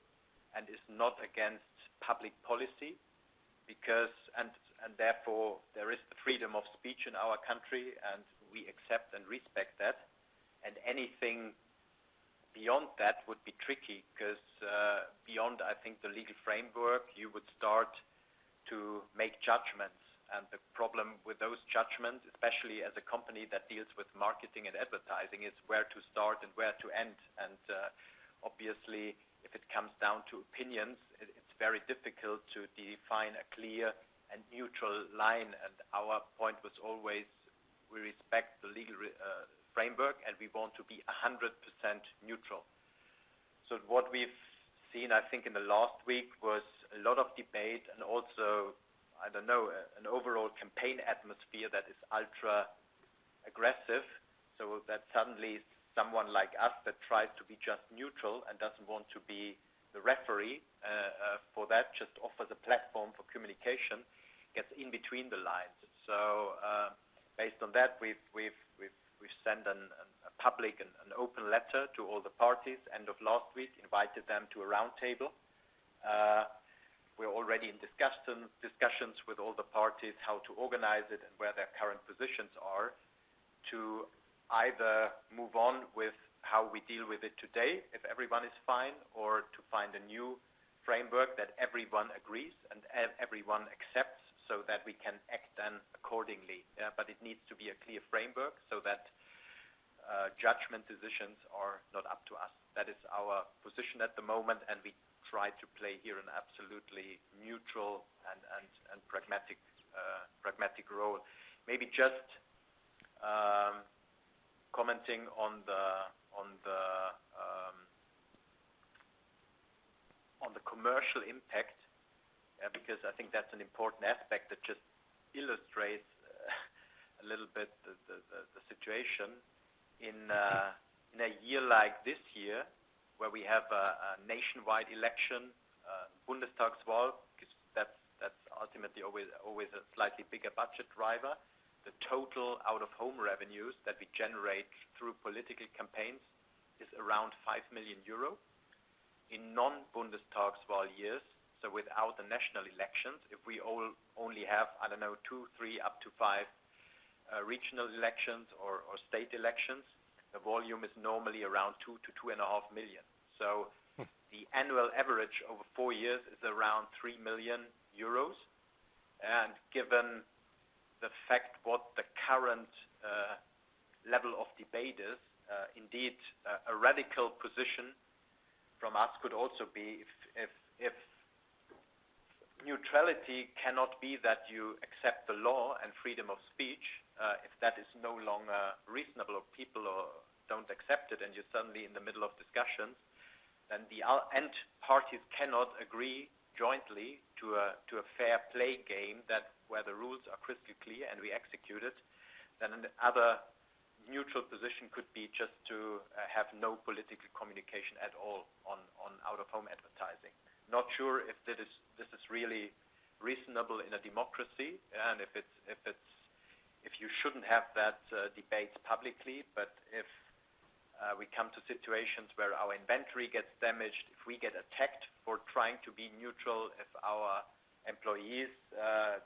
and is not against public policy. Therefore, there is freedom of speech in our country, and we accept and respect that. Anything beyond that would be tricky because, beyond, I think, the legal framework, you would start to make judgments. The problem with those judgments, especially as a company that deals with marketing and advertising, is where to start and where to end. Obviously, if it comes down to opinions, it's very difficult to define a clear and neutral line. Our point was always, we respect the legal framework, and we want to be 100% neutral. What we've seen, I think, in the last week was a lot of debate and also, I don't know, an overall campaign atmosphere that is ultra-aggressive. That suddenly someone like us that tries to be just neutral and doesn't want to be the referee for that just offers a platform for communication and gets in between the lines. Based on that, we sent a public and an open letter to all the parties at the end of last week and invited them to a roundtable. We're already in discussions with all the parties on how to organize it and where their current positions are to either move on with how we deal with it today, if everyone is fine, or to find a new framework that everyone agrees on and everyone accepts so that we can act accordingly then. It needs to be a clear framework so that judgment decisions are not up to us. That is our position at the moment, and we try to play here an absolutely neutral and pragmatic role. Maybe just commenting on the commercial impact, because I think that's an important aspect that just illustrates a little bit Situation in a year like this year, where we have a nationwide election, Bundestagswahl, because that's ultimately always a slightly bigger budget driver. The total Out-of-Home revenues that we generate through political campaigns are around 5 million euro. In non-Bundestagswahl years, without the national elections, if we only have, I don't know, two, three, or up to five regional elections or state elections, the volume is normally around 2 million-2.5 million. The annual average over four years is around 3 million euros. Given the fact that the current level of debate is, indeed, a radical position from us could also be that you accept the law and freedom of speech if that is no longer reasonable or people don't accept it and you're suddenly in the middle of discussions. The end parties cannot agree jointly to a fair-play game where the rules are crystal clear and we execute it, then another neutral position could be just to have no political communication at all on Out-of-Home advertising. Not sure if this is really reasonable in a democracy or if you shouldn't have that debate publicly, but if we come to situations where our inventory gets damaged, if we get attacked for trying to be neutral, or if our employees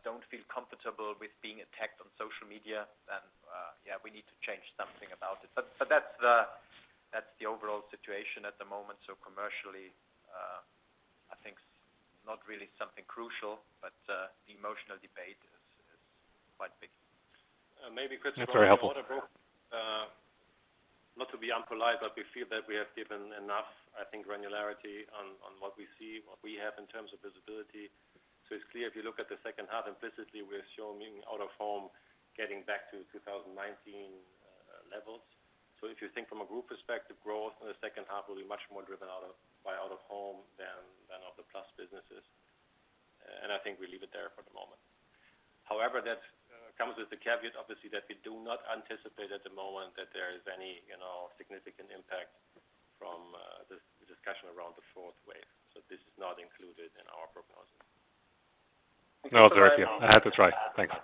don't feel comfortable with being attacked on social media, then, yeah, we need to change something about it. That's the overall situation at the moment. Commercially, I think it's not really something crucial, but the emotional debate is quite big. Maybe, Christopher. That's very helpful. Not to be impolite, but we feel that we have given enough, I think, granularity on what we see and what we have in terms of visibility. It's clear if you look at the second half, implicitly, we are showing Out-of-Home getting back to 2019 levels. If you think from a group perspective, growth in the second half will be much more driven by Out-of-Home than by the plus businesses. I think we leave it there for the moment. However, that comes with the caveat, obviously, that we do not anticipate at the moment that there is any significant impact from the discussion around the fourth wave. This is not included in our prognosis. No, it's very clear. I had to try. Thanks.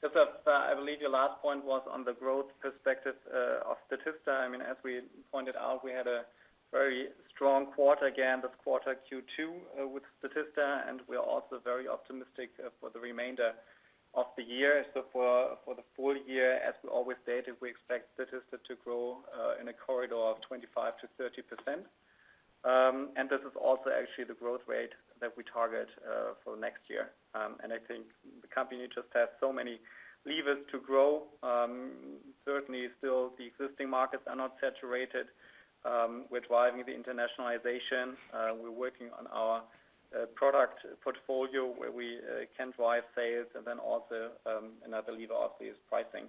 Christopher, I believe your last point was on the growth perspective of Statista. As we pointed out, we had a very strong quarter again this quarter, Q2, with Statista, and we are also very optimistic for the remainder of the year. For the full year, as we always stated, we expect Statista to grow in a corridor of 25%-30%. This is also actually the growth rate that we target for next year. I think the company just has so many levers to grow. Certainly, still, the existing markets are not saturated. We're driving the internationalization. We're working on our product portfolio, where we can drive sales. Then also, another lever, obviously, is pricing.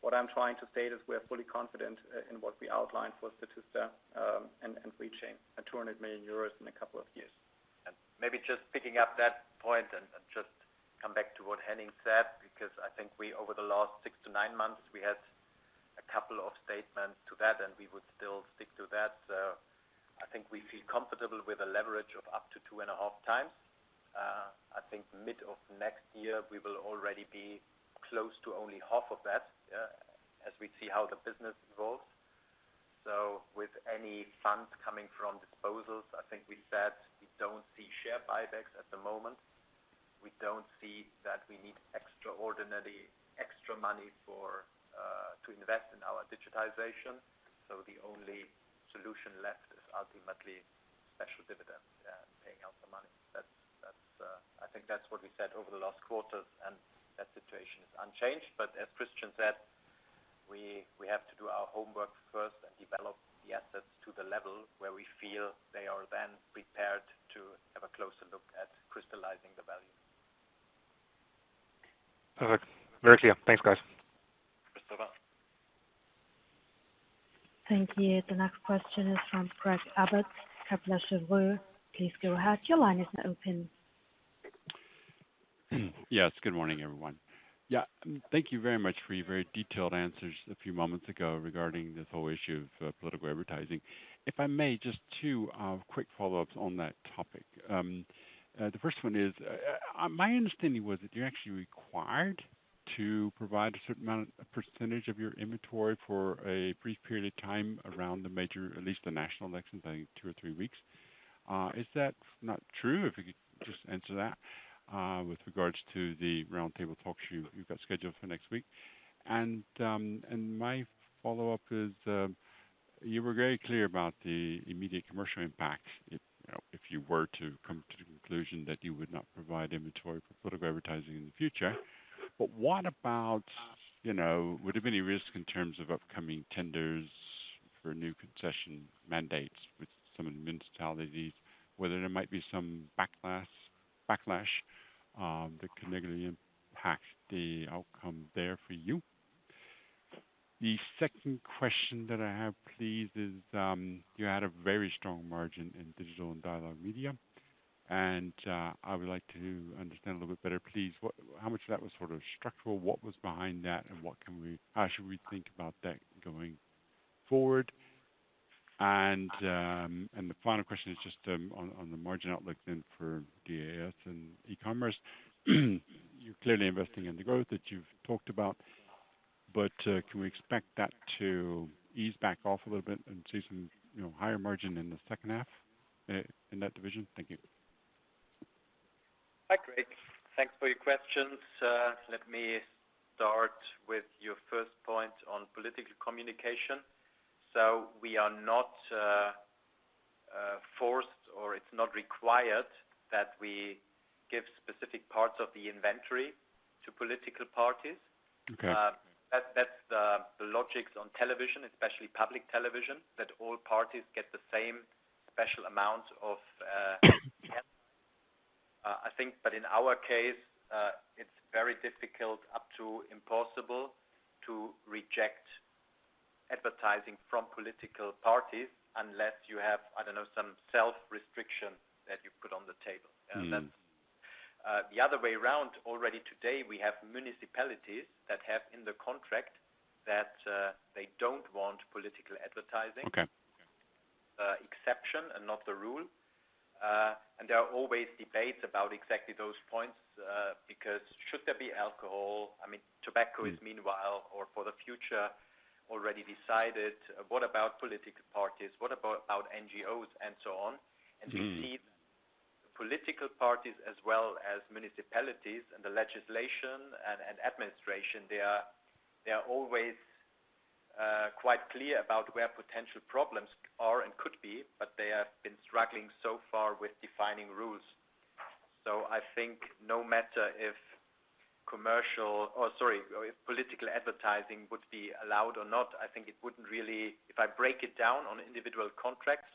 What I'm trying to state is we are fully confident in what we outlined for Statista and reaching 200 million euros in a couple of years. Maybe just pick up that point and just come back to what Henning said, because I think we, over the last six to nine months, had a couple of statements to that, and we would still stick to that. I think we feel comfortable with a leverage of up to 2.5x. I think in the middle of next year, we will already be close to only half of that as we see how the business evolves. With any funds coming from disposals, I think we said we don't see share buybacks at the moment. We don't see that we need extraordinary extra money to invest in our digitization. The only solution left is ultimately special dividends, paying out the money. I think that's what we said over the last quarters, and that situation is unchanged. As Christian said, we have to do our homework first and develop the assets to the level where we feel they are, and then we are prepared to have a closer look at crystallizing the value. Perfect. Very clear. Thanks, guys. Christopher. Thank you. The next question is from Craig Abbott, Kepler Cheuvreux. Please go ahead. Your line is now open. Yes. Good morning, everyone. Thank you very much for your very detailed answers a few moments ago regarding this whole issue of political advertising. If I may, just two quick follow-ups on that topic. The first one is, my understanding was that you're actually required to provide a certain amount, a percentage of your inventory for a brief period of time around the major, at least the national elections, I think two or three weeks. Is that not true? If you could just answer that with regards to the roundtable talks you've got scheduled for next week. My follow-up is, you were very clear about the immediate commercial impact if you were to come to the conclusion that you would not provide inventory for political advertising in the future. Would there be any risk in terms of upcoming tenders for new concession mandates with some of the municipalities, or might there be some backlash that could negatively impact the outcome there for you? The second question that I have, please, is that you had a very strong margin in digital and dialogue media, and I would like to understand a little bit better, please, how much of that was structural, what was behind that, and how should we think about that going forward? The final question is just on the margin outlook for DAS and e-commerce. You're clearly investing in the growth that you've talked about. Can we expect that to ease back off a little bit and see some higher margins in the second half in that division? Thank you. Hi, Craig. Thanks for your questions. Let me start with your first point on political communication. We are not forced, nor is it required, that we give specific parts of the inventory to political parties. Okay. That's the logic on television, especially public television, that all parties get the same special. I think. In our case, it's very difficult, up to impossible, to reject advertising from political parties unless you have, I don't know, some self-restriction that you put on the table. The other way around, already today, we have municipalities that have in the contract that they don't want political advertising. Okay. Exception and not the rule. There are always debates about exactly those points, because should there be alcohol, tobacco is, meanwhile, or for the future, already decided. What about political parties? What about NGOs and so on? We see political parties as well as municipalities and the legislation and administration, they are always quite clear about where potential problems are and could be, but they have been struggling so far with defining rules. I think no matter if political advertising would be allowed or not, if I break it down on individual contracts,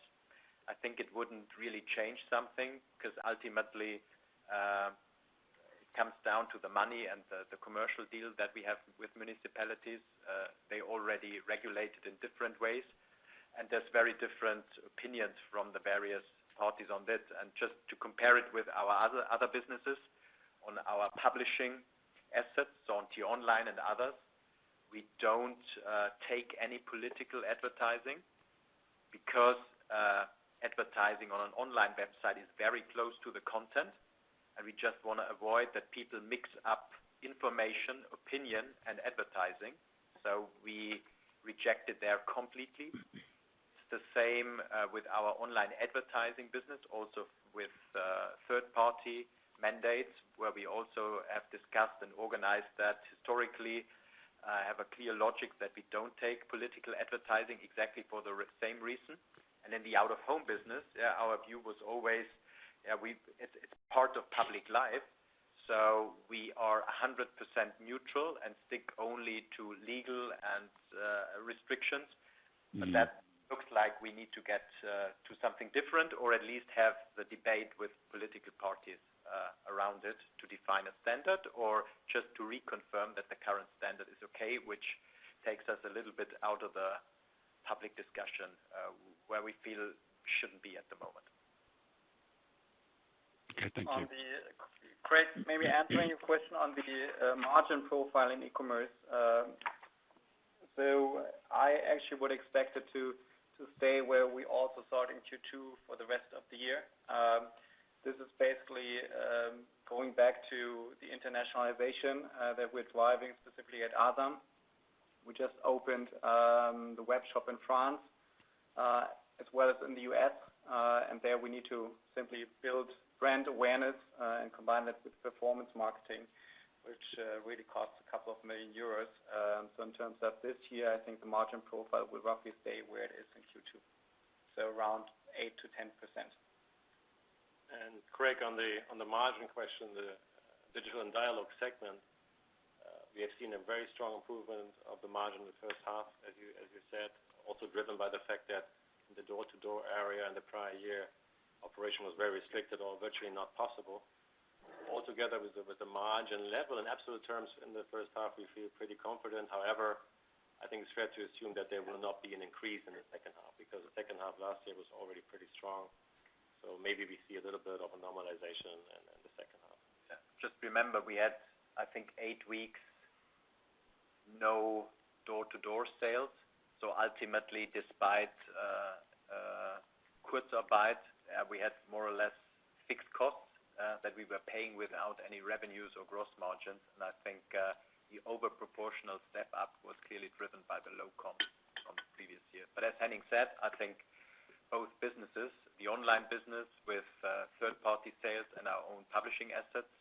I think it wouldn't really change something because ultimately, it comes down to the money and the commercial deals that we have with municipalities. They already regulate it in different ways, and there are very different opinions from the various parties on this. Just to compare it with our other businesses, on our publishing assets, on t-online, and others, we don't take any political advertising because advertising on an online website is very close to the content, and we just want to avoid people mixing up information, opinion, and advertising. We reject it there completely. It's the same with our online advertising business, also with third-party mandates, where we have also discussed and organized that historically, having a clear logic that we don't take political advertising exactly for the same reason. In the Out-of-Home business, our view was always it's part of public life, so we are 100% neutral and stick only to legal and restrictions. That looks like we need to get to something different or at least have the debate with political parties around it to define a standard or just to reconfirm that the current standard is okay, which takes us a little bit out of the public discussion, where we feel we shouldn't be at the moment. Okay. Thank you. Craig, maybe answering your question on the margin profile in e-commerce. I actually would expect it to stay where we also saw it in Q2 for the rest of the year. This is basically going back to the internationalization that we're driving, specifically at Asam. We just opened the web shop in France, as well as in the U.S., and there we need to simply build brand awareness and combine that with performance marketing, which really costs a couple of million euros. In terms of this year, I think the margin profile will roughly stay where it is in Q2, so around 8%-10%. Craig, on the margin question, the digital and dialogue segment, we have seen a very strong improvement of the margin in the first half, as you said, also driven by the fact that in the door-to-door area in the prior year, operation was very restricted or virtually not possible. Altogether, with the margin level in absolute terms in the first half, we feel pretty confident. I think it's fair to assume that there will not be an increase in the second half, because the second half last year was already pretty strong. Maybe we see a little bit of a normalization in the second half. Yeah. Just remember, we had, I think, eight weeks with no door-to-door sales. Ultimately, despite Kurzarbeit, we had more or less fixed costs that we were paying without any revenues or gross margins. I think the overproportional step-up was clearly driven by the low comp from the previous year. As Henning said, I think both businesses, the online business with third-party sales and our own publishing assets,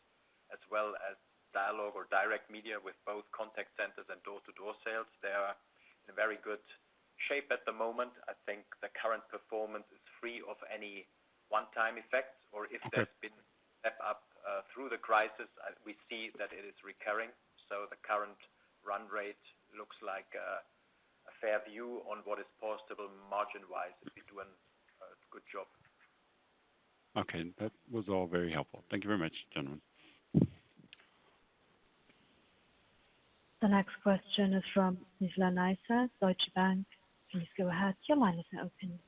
as well as dialogue or direct media with both contact centers and door-to-door sales, are in very good shape at the moment. I think the current performance is free of any one-time effects, or if there's been a step-up through the crisis, we see that it is recurring. The current run rate looks like a fair view on what is possible margin-wise. We're doing a good job. Okay. That was all very helpful. Thank you very much, gentlemen. The next question is from Nizla Naizer, Deutsche Bank. Please go ahead. Your line is open.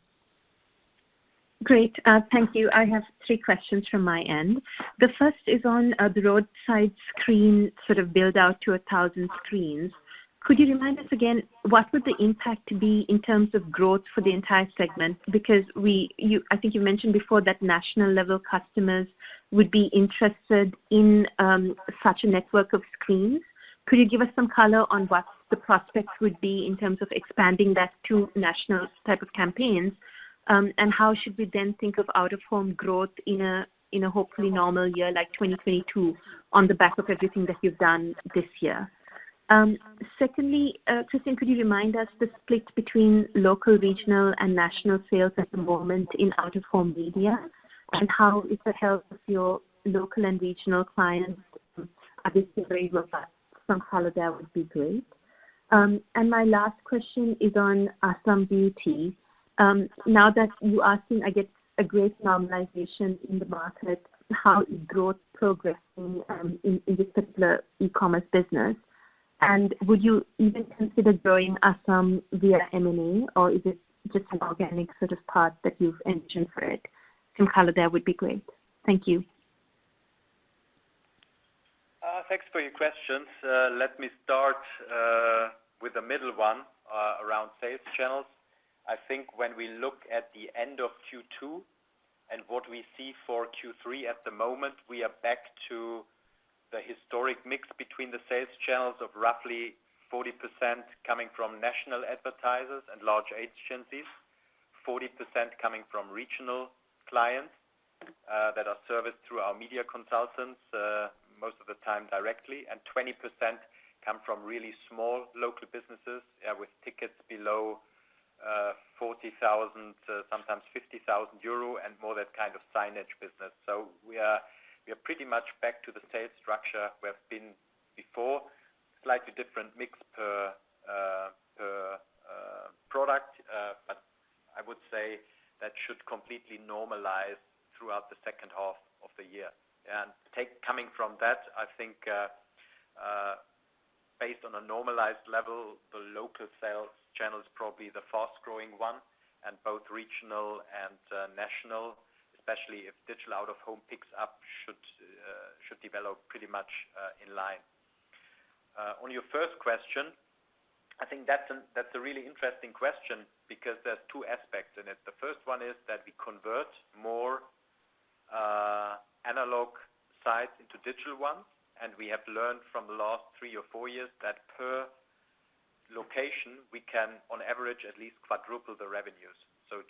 Great. Thank you. I have three questions from my end. The first is on the roadside screen, sort of built out to 1,000 screens. Could you remind us again, what would the impact be in terms of growth for the entire segment? I think you mentioned before that national-level customers would be interested in such a network of screens. Could you give us some color on what the prospects would be in terms of expanding that to national types of campaigns? How should we then think of Out-of-Home growth in a hopefully normal year, like 2022, on the back of everything that you've done this year? Secondly, Christian, could you remind us of the split between local, regional, and national sales at the moment in Out-of-Home media? How is the health of your local and regional clients at this degree? Some color there would be great. My last question is on AsamBeauty. Now that you are seeing, I guess, a great normalization in the market, how is growth progressing in this particular e-commerce business? Would you even consider growing Asam via M&A or is it just an organic sort of path that you've envisioned for it? Some color there would be great. Thank you. Thanks for your questions. Let me start with the middle one, around sales channels. I think when we look at the end of Q2 and what we see for Q3 at the moment, we are back to the historic mix between the sales channels of roughly 40% coming from national advertisers and large agencies, 40% coming from regional clients that are serviced through our media consultants, most of the time directly, and 20% coming from really small local businesses with tickets below 40,000, sometimes 50,000 euro, and more of that kind of signage business. We are pretty much back to the sales structure we had before. Slightly different mix per product, I would say that should completely normalize throughout the second half of the year. Coming from that, I think, based on a normalized level, the local sales channel is probably the fast-growing one, and both regional and national, especially if digital Out-of-Home picks up, should develop pretty much in line. On your first question, I think that's a really interesting question because there are two aspects to it. The first one is that we convert more analog sites into digital ones, and we have learned from the last three or four years that per location, we can, on average, at least quadruple the revenues.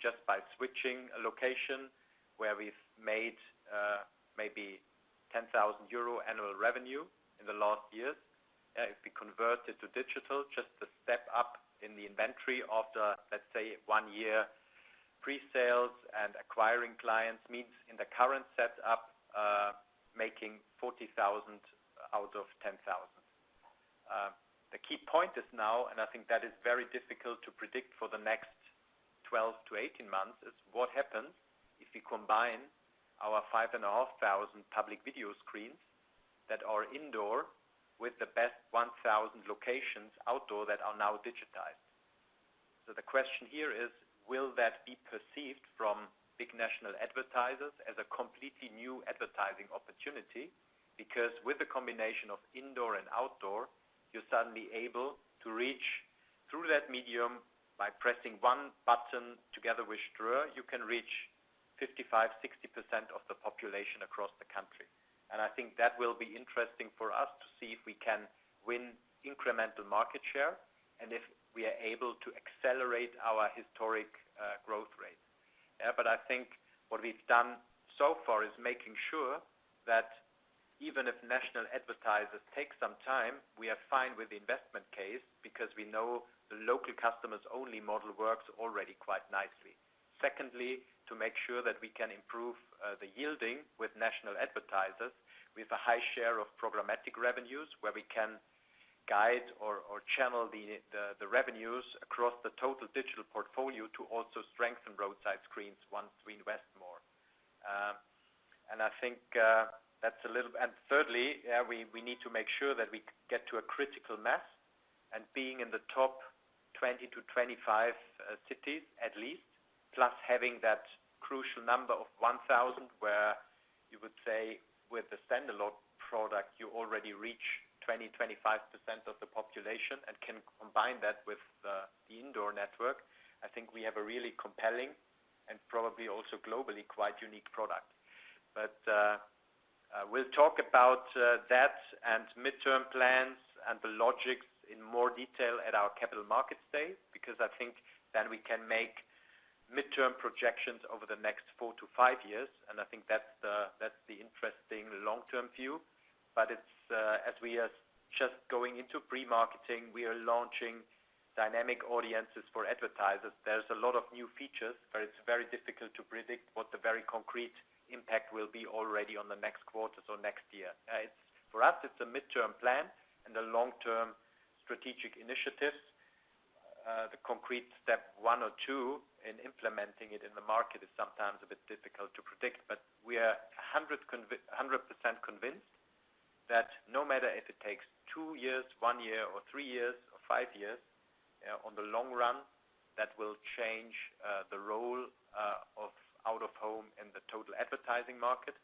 Just by switching a location where we've made maybe 10,000 euro annual revenue in the last years, if we convert it to digital, just the step up in the inventory after, let's say, one year of pre-sales and acquiring clients means in the current setup, making 40,000 out of 10,000. The key point now, which I think is very difficult to predict for the next 12 to 18 months, is what happens if we combine our 5,500 public video screens that are indoors with the best 1,000 locations outdoors that are now digitized. The question here is, will that be perceived from big national advertisers as a completely new advertising opportunity? Because with the combination of indoor and outdoor, you're suddenly able to reach through that medium by pressing one button together with Ströer, you can reach 55%–60% of the population across the country. I think that will be interesting for us to see if we can win incremental market share and if we are able to accelerate our historic growth rate. I think what we've done so far is making sure that even if national advertisers take some time, we are fine with the investment case because we know the local customers-only model works already quite nicely. Secondly, to make sure that we can improve the yielding with national advertisers with a high share of programmatic revenues, we can guide or channel the revenues across the total digital portfolio to also strengthen roadside screens once we invest more. Thirdly, we need to make sure that we get to a critical mass and are in the top 20-25 cities, at least, plus have that crucial number of 1,000, where you would say with the standalone product, you already reach 20%, 25% of the population and can combine that with the indoor network. I think we have a really compelling and probably also globally quite unique product. We'll talk about that and midterm plans and the logic in more detail at our Capital Markets Day, because I think then we can make midterm projections over the next four to five years, and I think that's the interesting long-term view. As we are just going into pre-marketing, we are launching dynamic audiences for advertisers. There are a lot of new features, but it's very difficult to predict what the very concrete impact will be already in the next quarter or next year. For us, it's a midterm plan and a long-term strategic initiative. The concrete step one or two in implementing it in the market is sometimes a bit difficult to predict, but we are 100% convinced that no matter if it takes two years, one year, three years, or five years, in the long run, it will change the role of Out-of-Home in the total advertising market.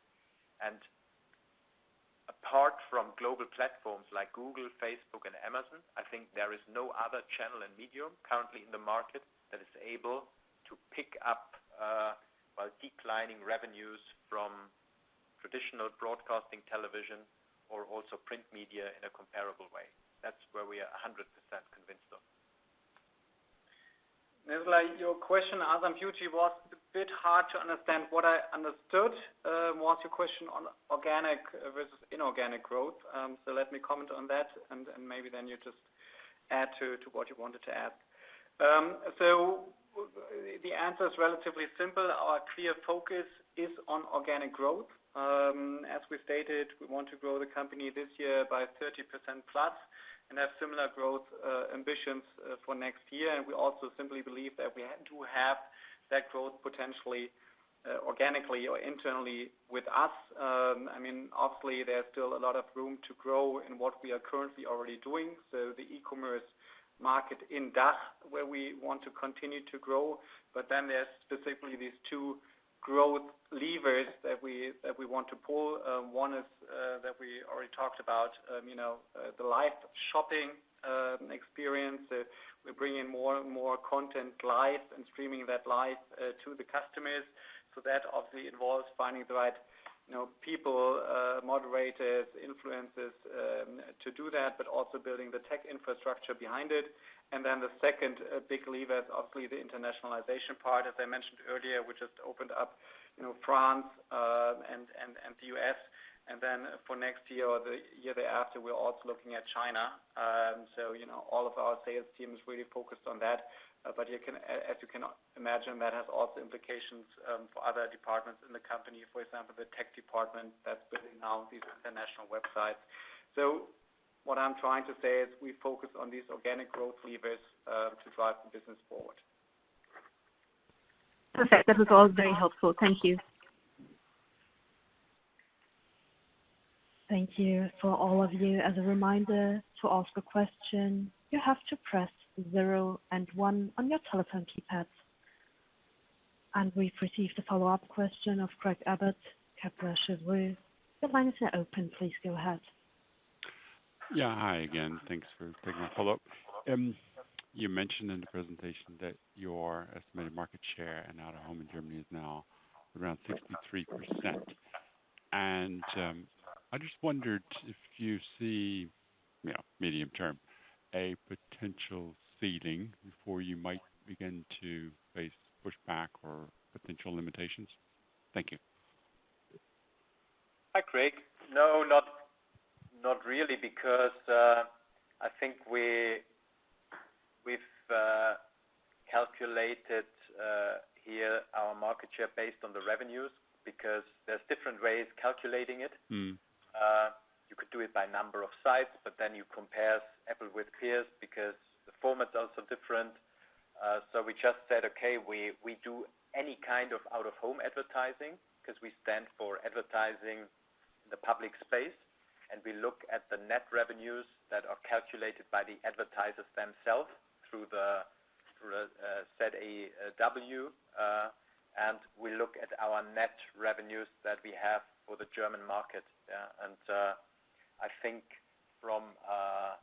Apart from global platforms like Google, Facebook, and Amazon, I think there is no other channel or medium currently in the market that is able to pick up declining revenues from traditional broadcasting television or print media in a comparable way. That's where we are 100% convinced of. Nizla, your question, as I'm hearing, was a bit hard to understand. What I understood was your question on organic versus inorganic growth. Let me comment on that, and maybe then you just add to what you wanted to add. The answer is relatively simple. Our clear focus is on organic growth. As we stated, we want to grow the company this year by 30%+ and have similar growth ambitions for next year. We also simply believe that we have to have that growth potentially, organically or internally, with us. Obviously, there's still a lot of room to grow in what we are currently already doing. The e-commerce market in DACH, where we want to continue to grow. There are specifically these two growth levers that we want to pull. One is that we already talked about the live shopping experience. We bring in more and more content live and stream that live to the customers. That obviously involves finding the right people, moderators, and influencers to do that, but also building the tech infrastructure behind it. The second big lever is obviously the internationalization part, as I mentioned earlier, we just opened up France and the U.S. For next year or the year after, we're also looking at China. All of our sales team is really focused on that. As you can imagine, that also has implications for other departments in the company, for example, the tech department that's building out these international websites. What I'm trying to say is we focus on these organic growth levers to drive the business forward. Perfect. That was all very helpful. Thank you. Thank you to all of you. As a reminder to ask a question, you have to press zero and one on your telephone keypad. We've received a follow-up question from Craig Abbott, Kepler Cheuvreux. The line is now open. Please go ahead. Yeah. Hi again. Thanks for taking my follow-up. You mentioned in the presentation that your estimated market share and Out-of-Home in Germany are now around 63%. I just wondered if you see, in the medium term, a potential ceiling before you might begin to face pushback or potential limitations? Thank you. Hi, Craig. No, not really because I think we've calculated here our market share based on the revenues because there are different ways of calculating it. You could do it by number of sites, you compare apples with pears because the format's also different. We just said, okay, we do any kind of Out-of-Home advertising because we stand for advertising in the public space, and we look at the net revenues that are calculated by the advertisers themselves through the ZAW, and we look at our net revenues that we have for the German market. Yeah. I think from an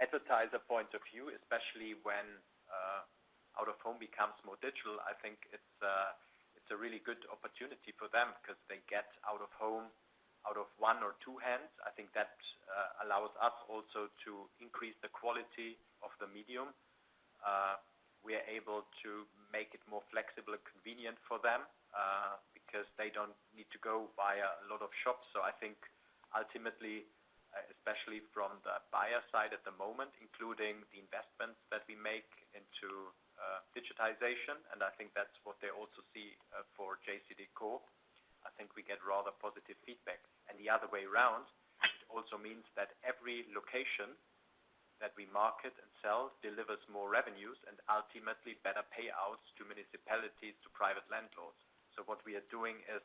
advertiser's point of view, especially when Out-of-Home becomes more digital, I think it's a really good opportunity for them because they get Out-of-Home out of one or two hands. I think that allows us also to increase the quality of the medium. We are able to make it more flexible and convenient for them because they don't need to go via a lot of shops. I think ultimately, especially from the buyer side at the moment, including the investments that we make into digitization, and I think that's what they also see for JCDecaux. I think we get rather positive feedback. The other way around, it also means that every location that we market and sell delivers more revenues and ultimately better payouts to municipalities and private landlords. What we are doing is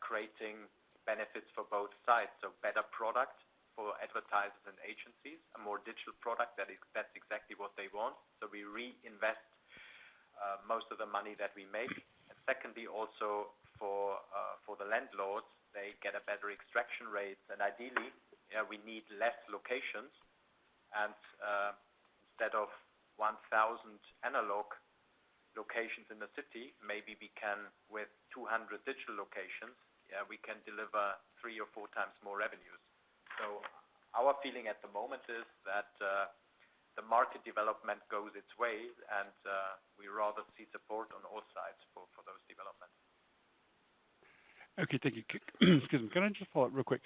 creating benefits for both sides. Better product for advertisers and agencies, a more digital product. That's exactly what they want. We reinvest most of the money that we make. Secondly, also for the landlords, they get a better extraction rate. Ideally, we need less locations, and instead of 1,000 analog locations in the city, maybe with 200 digital locations we can deliver three or four times more revenue. Our feeling at the moment is that market development goes its way, and we would rather see support on all sides for those developments. Okay. Thank you. Excuse me. Can I just follow up real quick?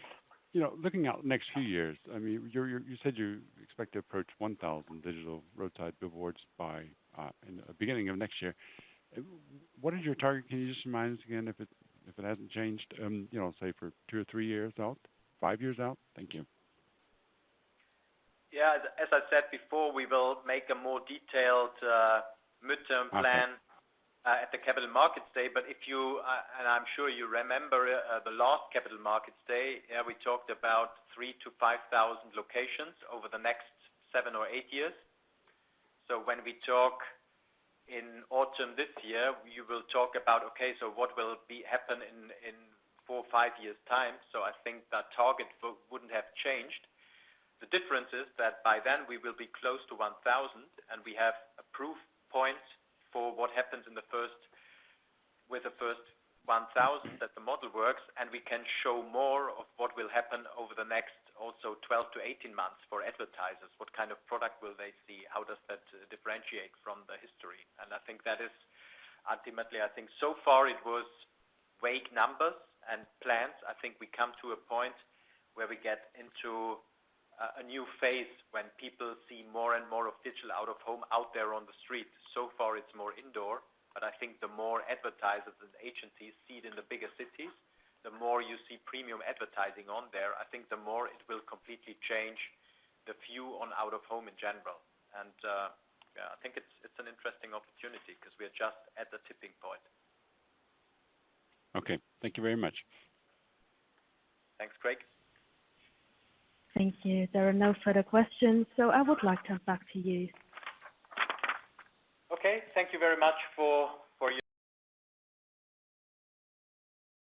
Looking out at the next few years, you said you expect to approach 1,000 digital roadside billboards by the beginning of next year. What is your target? Can you just remind us again if it hasn't changed, say, for two or three years from now or five years from now? Thank you. Yeah. As I said before, we will make a more detailed midterm plan at the Capital Markets Day. If you, and I'm sure you remember, the last Capital Markets Day, we talked about 3,000 to 5,000 locations over the next seven or eight years. When we talk in autumn this year, we will talk about, okay, what will happen in four or five years' time. I think that target wouldn't have changed. The difference is that by then we will be close to 1,000, and we will have a proof point for what happens with the first 1,000 that the model works, and we can show more of what will happen over the next also 12 to 18 months for advertisers. What kind of product will they see? How does that differ from the history? I think that is ultimately... I think so far it has been vague numbers and plans. I think we come to a point where we get into a new phase when people see more and more digital Out-of-Home out there on the street. So far, it is more indoor, but I think the more advertisers and agencies see it in the bigger cities, the more you will see premium advertising on there, I think the more it will completely change the view on Out-of-Home in general. I think it is an interesting opportunity because we are just at the tipping point. Okay. Thank you very much. Thanks, Craig. Thank you. There are no further questions. I would like to hand it back to you. Okay. Thank you very much.